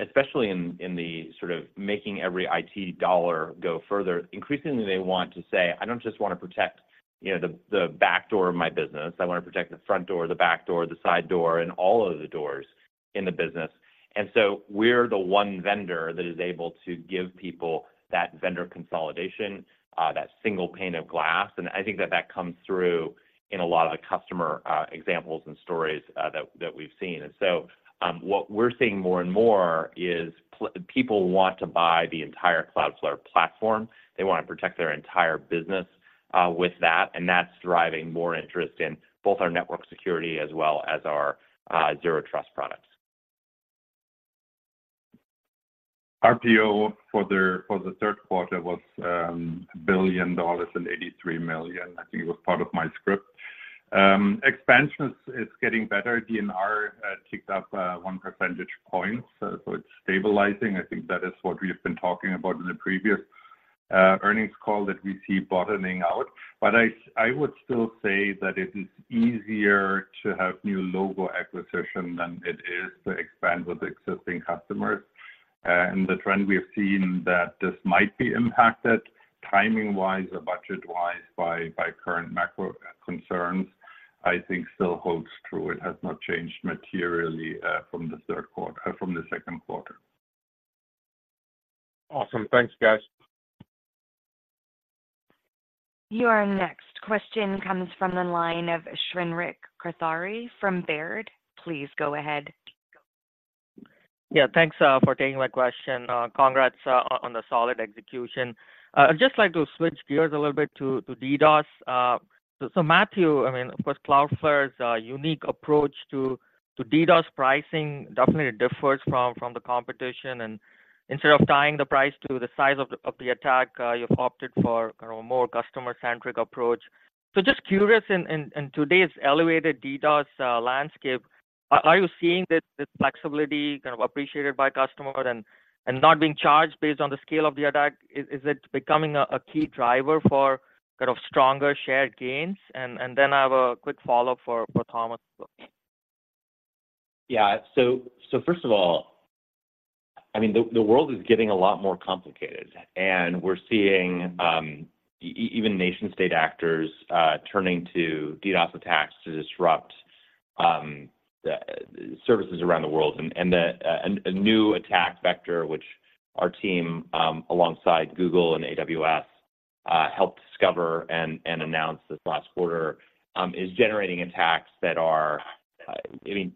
especially in the sort of making every IT dollar go further, increasingly they want to say, "I don't just wanna protect, you know, the back door of my business. I wanna protect the front door, the back door, the side door, and all of the doors in the business." And so we're the one vendor that is able to give people that vendor consolidation, that single pane of glass, and I think that that comes through in a lot of the customer examples and stories that we've seen. And so, what we're seeing more and more is people want to buy the entire Cloudflare platform. They wanna protect their entire business, with that, and that's driving more interest in both our network security as well as our, Zero Trust products. RPO for the third quarter was $1.083 billion. I think it was part of my script. Expansion is getting better. DNR ticked up one percentage point, so it's stabilizing. I think that is what we have been talking about in the previous earnings call, that we see bottoming out. But I would still say that it is easier to have new logo acquisition than it is to expand with existing customers. And the trend we have seen that this might be impacted timing-wise or budget-wise by current macro concerns, I think still holds true. It has not changed materially from the second quarter. Awesome. Thanks, guys. Your next question comes from the line of Shrenik Kothari from Baird. Please go ahead. Yeah, thanks for taking my question. Congrats on the solid execution. I'd just like to switch gears a little bit to DDoS. So, Matthew, I mean, of course, Cloudflare's unique approach to DDoS pricing definitely differs from the competition, and instead of tying the price to the size of the attack, you've opted for, kind of, a more customer-centric approach. So just curious, in today's elevated DDoS landscape, are you seeing this flexibility kind of appreciated by customers? And not being charged based on the scale of the attack, is it becoming a key driver for kind of stronger shared gains? And then I have a quick follow-up for Thomas. Yeah. So first of all, I mean, the world is getting a lot more complicated, and we're seeing even nation-state actors turning to DDoS attacks to disrupt the services around the world. And a new attack vector, which our team alongside Google and AWS helped discover and announce this last quarter, is generating attacks that are, I mean,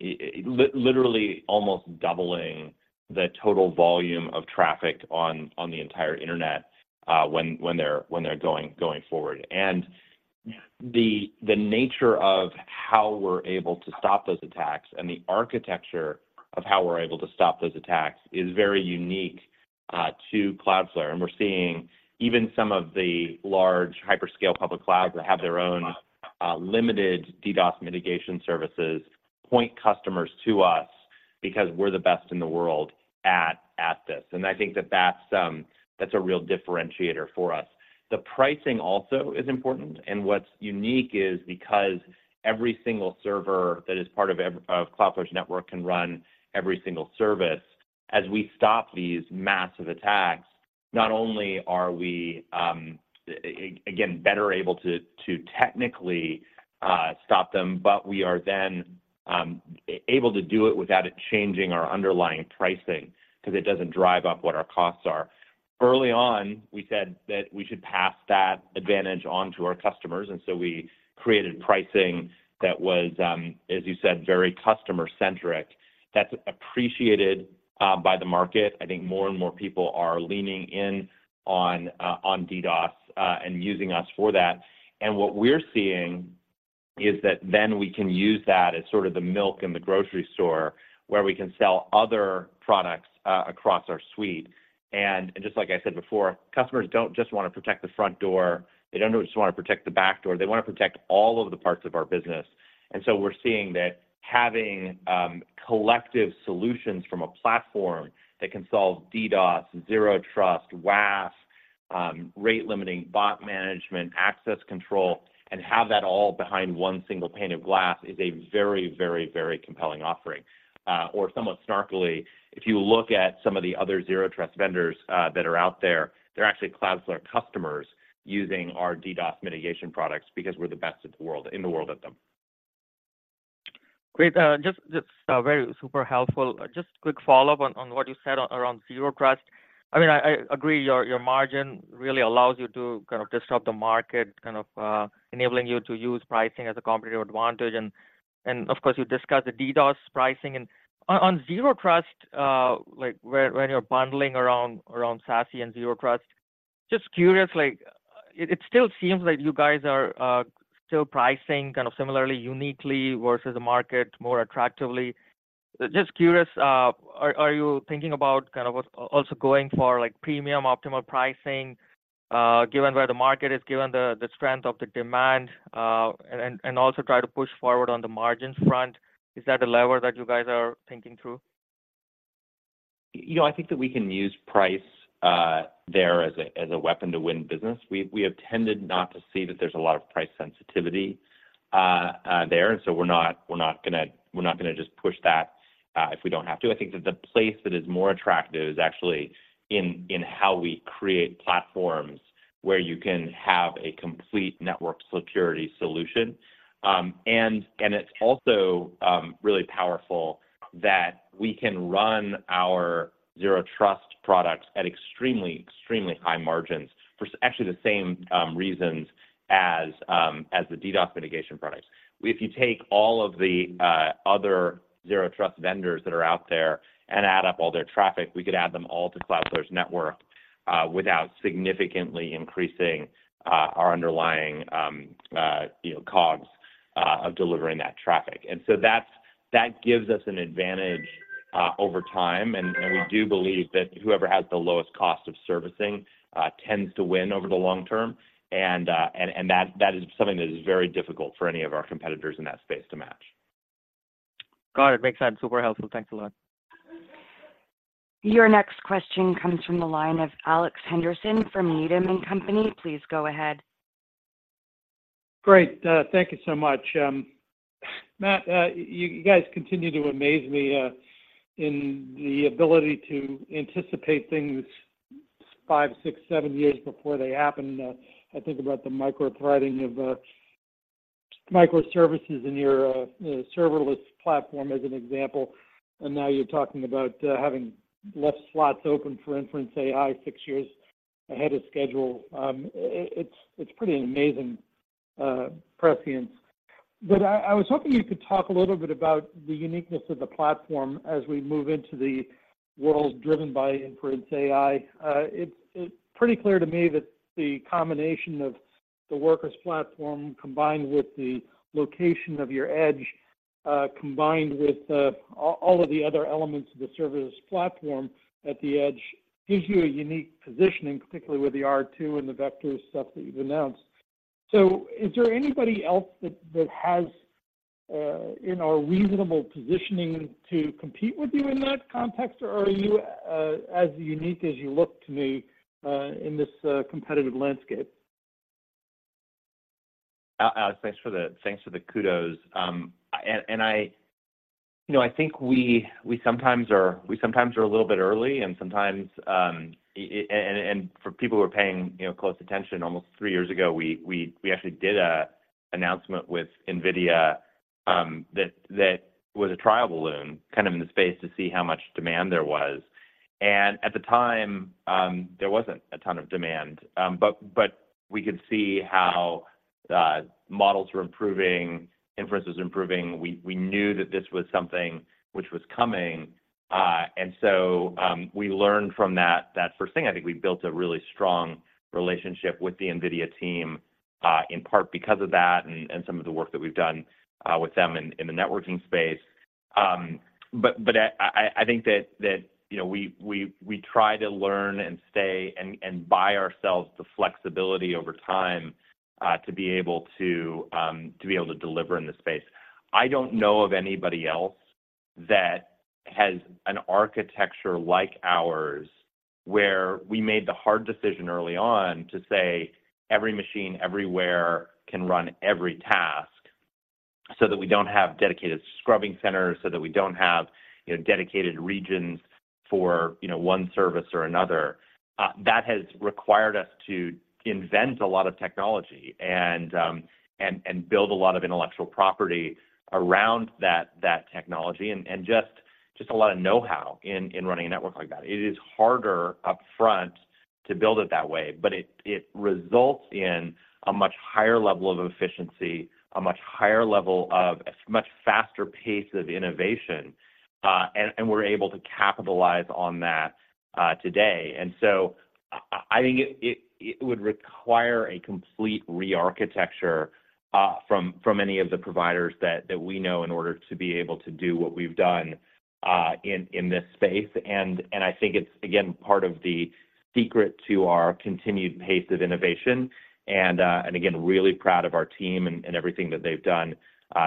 literally almost doubling the total volume of traffic on the entire internet when they're going forward. And the nature of how we're able to stop those attacks and the architecture of how we're able to stop those attacks is very unique to Cloudflare. We're seeing even some of the large hyperscale public clouds that have their own limited DDoS mitigation services point customers to us, because we're the best in the world at this. I think that's a real differentiator for us. The pricing also is important, and what's unique is, because every single server that is part of Cloudflare's network can run every single service, as we stop these massive attacks, not only are we again better able to technically stop them, but we are then able to do it without it changing our underlying pricing, 'cause it doesn't drive up what our costs are. Early on, we said that we should pass that advantage on to our customers, and so we created pricing that was, as you said, very customer-centric. That's appreciated by the market. I think more and more people are leaning in on DDoS and using us for that. And what we're seeing is that then we can use that as sort of the milk in the grocery store, where we can sell other products across our suite. And just like I said before, customers don't just wanna protect the front door, they don't just wanna protect the back door, they wanna protect all of the parts of our business. And so we're seeing that having collective solutions from a platform that can solve DDoS, Zero Trust, WAF, rate limiting, bot management, access control, and have that all behind one single pane of glass is a very, very, very compelling offering. Or somewhat snarkily, if you look at some of the other Zero Trust vendors that are out there, they're actually Cloudflare customers using our DDoS mitigation products because we're the best in the world—in the world at them. Great. Just, just very super helpful. Just quick follow-up on what you said around Zero Trust. I mean, I agree your margin really allows you to kind of disrupt the market, kind of enabling you to use pricing as a competitive advantage. And of course, you discussed the DDoS pricing. And on Zero Trust, like, when you're bundling around SASE and Zero Trust, just curious, like, it still seems like you guys are still pricing kind of similarly, uniquely versus the market, more attractively. Just curious, are you thinking about kind of also going for, like, premium optimal pricing, given where the market is, given the strength of the demand, and also try to push forward on the margin front? Is that a lever that you guys are thinking through? You know, I think that we can use price there as a weapon to win business. We have tended not to see that there's a lot of price sensitivity there, and so we're not gonna just push that if we don't have to. I think that the place that is more attractive is actually in how we create platforms where you can have a complete network security solution. And it's also really powerful that we can run our Zero Trust products at extremely high margins for actually the same reasons as the DDoS mitigation products. If you take all of the other Zero Trust vendors that are out there and add up all their traffic, we could add them all to Cloudflare's network without significantly increasing our underlying, you know, COGS of delivering that traffic. And so that gives us an advantage over time, and we do believe that whoever has the lowest cost of servicing tends to win over the long term. And that is something that is very difficult for any of our competitors in that space to match. Got it. Makes sense. Super helpful. Thanks a lot. Your next question comes from the line of Alex Henderson from Needham & Company. Please go ahead. Great. Thank you so much. Matt, you guys continue to amaze me in the ability to anticipate things 5, 6, 7 years before they happen. I think about the micro-threading of microservices in your serverless platform as an example, and now you're talking about having left slots open for inference AI 6 years ahead of schedule. It's pretty amazing prescience. But I was hoping you could talk a little bit about the uniqueness of the platform as we move into the world driven by inference AI. It's pretty clear to me that the combination of the Workers platform, combined with the location of your edge, combined with all of the other elements of the serverless platform at the edge, gives you a unique positioning, particularly with the R2 and the Vector stuff that you've announced. So is there anybody else that has, you know, a reasonable positioning to compete with you in that context? Or are you as unique as you look to me in this competitive landscape? Alex, thanks for the kudos. You know, I think we sometimes are a little bit early, and sometimes, and for people who are paying, you know, close attention, almost three years ago, we actually did an announcement with NVIDIA, that was a trial balloon, kind of in the space to see how much demand there was. And at the time, there wasn't a ton of demand. But we could see how models were improving, inference was improving. We knew that this was something which was coming. And so, we learned from that, that first thing, I think we built a really strong relationship with the NVIDIA team, in part because of that and some of the work that we've done, with them in the networking space. But I think that, you know, we try to learn and stay and buy ourselves the flexibility over time, to be able to deliver in the space. I don't know of anybody else that has an architecture like ours, where we made the hard decision early on to say, every machine everywhere can run every task, so that we don't have dedicated scrubbing centers, so that we don't have, you know, dedicated regions for, you know, one service or another. That has required us to invent a lot of technology and build a lot of intellectual property around that technology, and just a lot of know-how in running a network like that. It is harder upfront to build it that way, but it results in a much higher level of efficiency, a much higher level of a much faster pace of innovation. And we're able to capitalize on that today. So I think it would require a complete rearchitecture from any of the providers that we know in order to be able to do what we've done in this space. I think it's, again, part of the secret to our continued pace of innovation, and again, really proud of our team and everything that they've done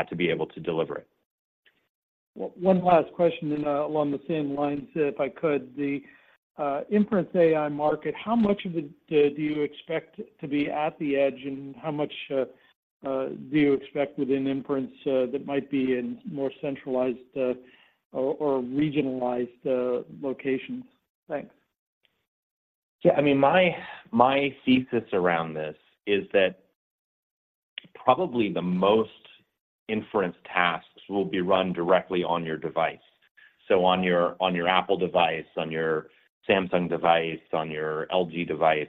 to be able to deliver it. One last question, and along the same lines, if I could. The inference AI market, how much of it do you expect to be at the edge, and how much do you expect within inference that might be in more centralized or regionalized locations? Thanks. Yeah, I mean, my thesis around this is that probably the most inference tasks will be run directly on your device, so on your Apple device, on your Samsung device, on your LG device,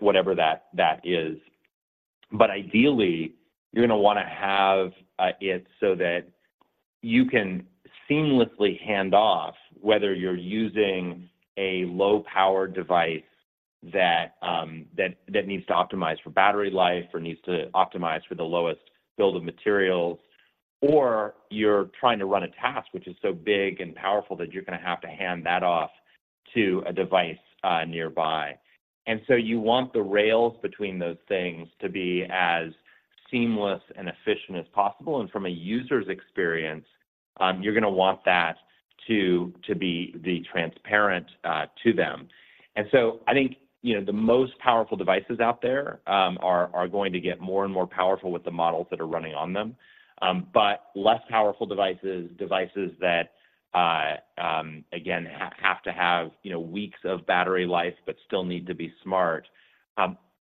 whatever that is. But ideally, you're gonna wanna have it so that you can seamlessly hand off, whether you're using a low-power device that needs to optimize for battery life or needs to optimize for the lowest bill of materials, or you're trying to run a task which is so big and powerful that you're gonna have to hand that off to a device nearby. And so you want the rails between those things to be as seamless and efficient as possible, and from a user's experience, you're gonna want that to be the transparent to them. I think, you know, the most powerful devices out there are going to get more and more powerful with the models that are running on them. But less powerful devices, devices that again have to have, you know, weeks of battery life but still need to be smart,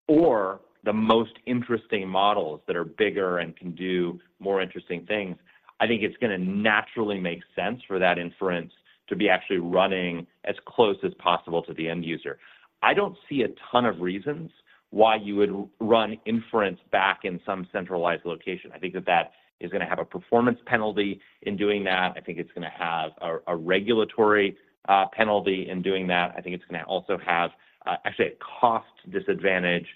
or the most interesting models that are bigger and can do more interesting things, I think it's gonna naturally make sense for that inference to be actually running as close as possible to the end user. I don't see a ton of reasons why you would run inference back in some centralized location. I think that that is gonna have a performance penalty in doing that. I think it's gonna have a regulatory penalty in doing that. I think it's gonna also have actually a cost disadvantage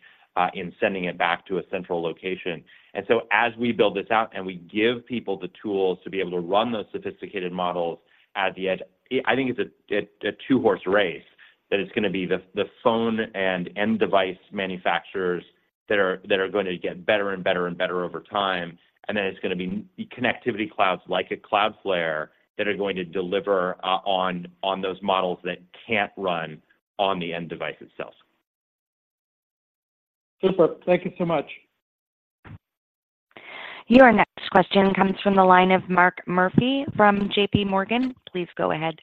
in sending it back to a central location. So as we build this out and we give people the tools to be able to run those sophisticated models at the edge, I think it's a two-horse race, that it's gonna be the phone and end device manufacturers that are going to get better and better and better over time, and then it's gonna be connectivity clouds, like a Cloudflare, that are going to deliver on those models that can't run on the end device itself. Super. Thank you so much. Your next question comes from the line of Mark Murphy from JPMorgan. Please go ahead.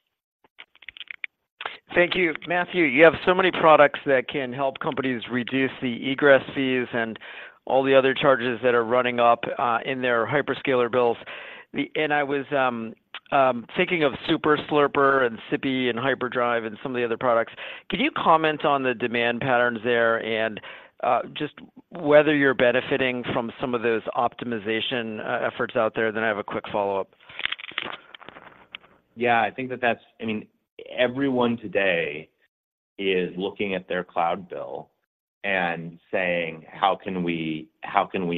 Thank you. Matthew, you have so many products that can help companies reduce the egress fees and all the other charges that are running up in their hyperscaler bills. I was thinking of Super Slurper and Sippy and Hyperdrive and some of the other products. Could you comment on the demand patterns there and just whether you're benefiting from some of those optimization efforts out there? Then I have a quick follow-up. Yeah, I think that's. I mean, everyone today is looking at their cloud bill and saying: How can we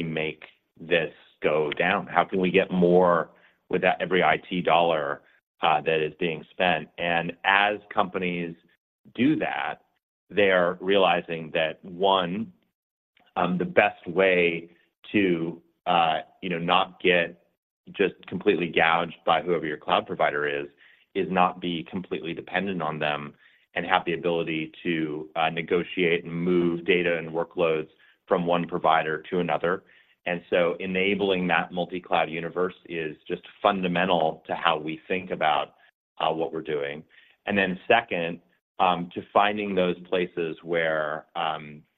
make this go down? How can we get more with every IT dollar that is being spent? And as companies do that, they are realizing that, one, the best way to, you know, not get just completely gouged by whoever your cloud provider is, is not be completely dependent on them and have the ability to negotiate and move data and workloads from one provider to another. And so enabling that multi-cloud universe is just fundamental to how we think about what we're doing. And then second, to finding those places where,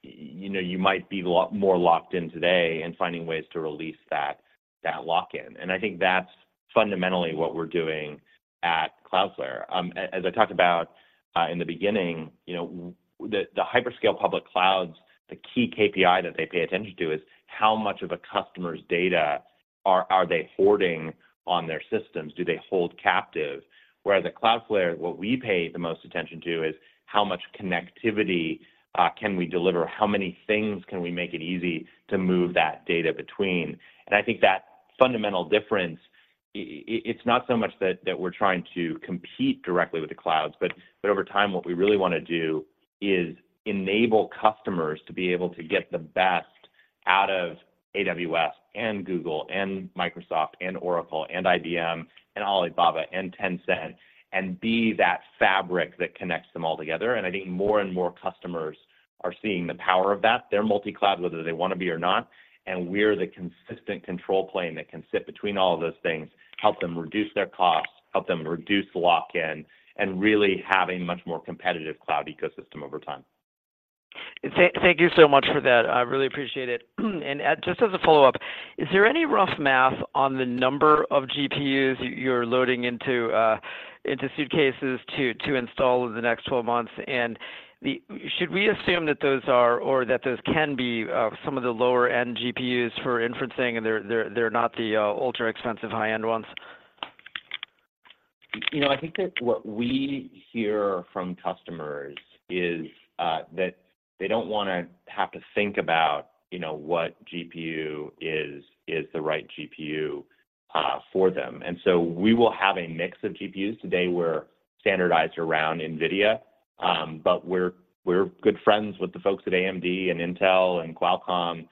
you know, you might be more locked in today and finding ways to release that lock-in. And I think that's fundamentally what we're doing at Cloudflare. As I talked about in the beginning, you know, the hyperscale public clouds, the key KPI that they pay attention to is: How much of a customer's data are they hoarding on their systems, do they hold captive? Whereas at Cloudflare, what we pay the most attention to is: How much connectivity can we deliver? How many things can we make it easy to move that data between? And I think that fundamental difference, it's not so much that we're trying to compete directly with the clouds, but over time, what we really wanna do is enable customers to be able to get the best out of AWS and Google and Microsoft and Oracle and IBM and Alibaba and Tencent, and be that fabric that connects them all together. I think more and more customers are seeing the power of that. They're multi-cloud whether they want to be or not, and we're the consistent control plane that can sit between all of those things, help them reduce their costs, help them reduce lock-in, and really have a much more competitive cloud ecosystem over time. Thank you so much for that. I really appreciate it. Just as a follow-up: Is there any rough math on the number of GPUs you're loading into suitcases to install over the next 12 months? Should we assume that those are, or that those can be, some of the lower-end GPUs for inferencing, and they're not the ultra-expensive high-end ones? You know, I think that what we hear from customers is that they don't wanna have to think about, you know, what GPU is the right GPU for them. And so we will have a mix of GPUs. Today, we're standardized around NVIDIA, but we're good friends with the folks at AMD and Intel and Qualcomm,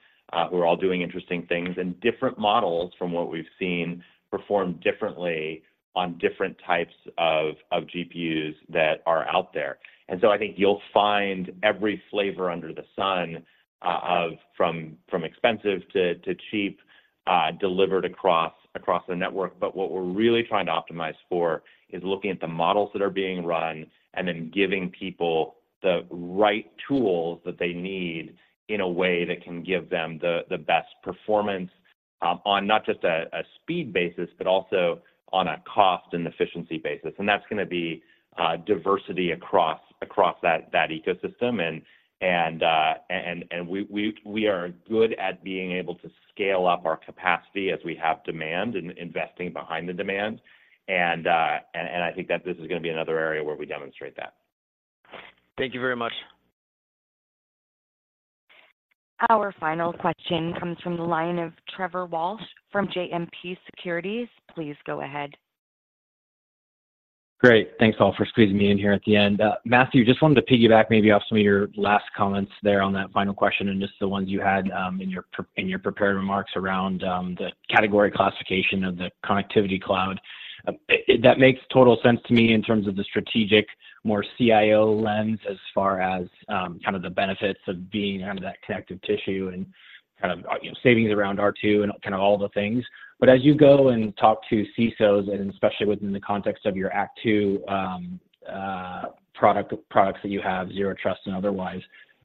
who are all doing interesting things. And different models, from what we've seen, perform differently on different types of GPUs that are out there. And so I think you'll find every flavor under the sun of from expensive to cheap delivered across the network. But what we're really trying to optimize for is looking at the models that are being run, and then giving people the right tools that they need in a way that can give them the best performance on not just a speed basis, but also on a cost and efficiency basis. And that's gonna be diversity across that ecosystem. And we are good at being able to scale up our capacity as we have demand, and investing behind the demand. And I think that this is gonna be another area where we demonstrate that. Thank you very much. Our final question comes from the line of Trevor Walsh from JMP Securities. Please go ahead. Great. Thanks, all, for squeezing me in here at the end. Matthew, just wanted to piggyback maybe off some of your last comments there on that final question, and just the ones you had in your prepared remarks around the category classification of the Connectivity Cloud. That makes total sense to me in terms of the strategic, more CIO lens as far as kind of the benefits of being kind of that connective tissue and kind of you know, savings around R2 and kind of all the things. But as you go and talk to CISOs, and especially within the context of your Act II product, products that you have, Zero Trust and otherwise,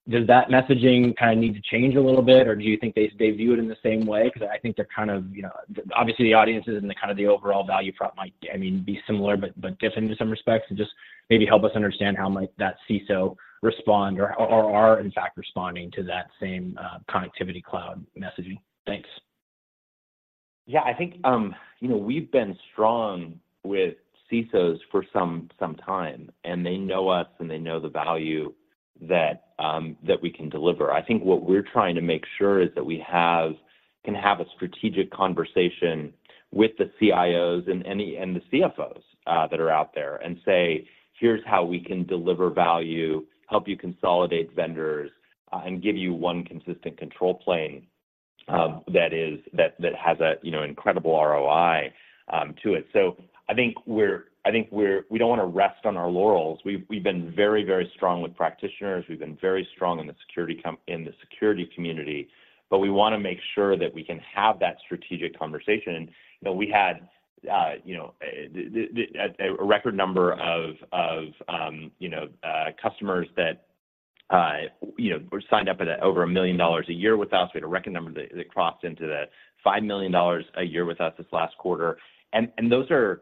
does that messaging kind of need to change a little bit, or do you think they view it in the same way? 'Cause I think they're kind of, you know... Obviously, the audiences and the kind of the overall value prop might, I mean, be similar, but, but different in some respects. So just maybe help us understand how might that CISO respond or, or are in fact responding to that same, Connectivity Cloud messaging. Thanks. Yeah, I think, you know, we've been strong with CISOs for some time, and they know us, and they know the value that we can deliver. I think what we're trying to make sure is that we can have a strategic conversation with the CIOs and the CFOs that are out there, and say, "Here's how we can deliver value, help you consolidate vendors, and give you one consistent control plane that is... that has a, you know, incredible ROI to it." So I think we don't wanna rest on our laurels. We've been very, very strong with practitioners, we've been very strong in the security community, but we wanna make sure that we can have that strategic conversation. You know, we had you know, a record number of you know, customers that you know, were signed up at over $1 million a year with us. We had a record number that crossed into the $5 million a year with us this last quarter. And those are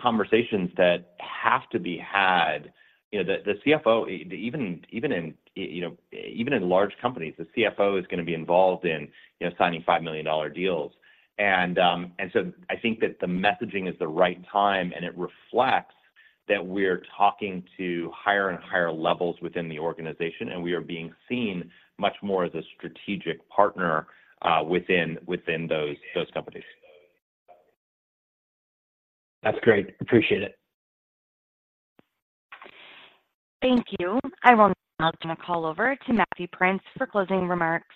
conversations that have to be had. You know, the CFO, even in you know, even in large companies, the CFO is gonna be involved in you know, signing $5 million deals. And so I think that the messaging is the right time, and it reflects that we're talking to higher and higher levels within the organization, and we are being seen much more as a strategic partner within those companies. That's great. Appreciate it. Thank you. I will now turn the call over to Matthew Prince for closing remarks.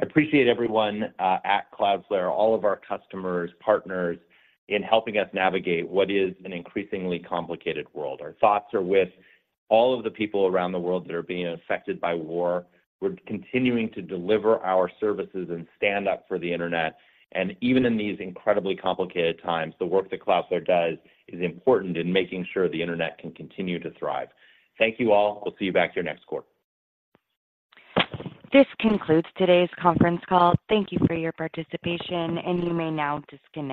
I appreciate everyone at Cloudflare, all of our customers, partners, in helping us navigate what is an increasingly complicated world. Our thoughts are with all of the people around the world that are being affected by war. We're continuing to deliver our services and stand up for the Internet, and even in these incredibly complicated times, the work that Cloudflare does is important in making sure the Internet can continue to thrive. Thank you, all. We'll see you back here next quarter. This concludes today's conference call. Thank you for your participation, and you may now disconnect.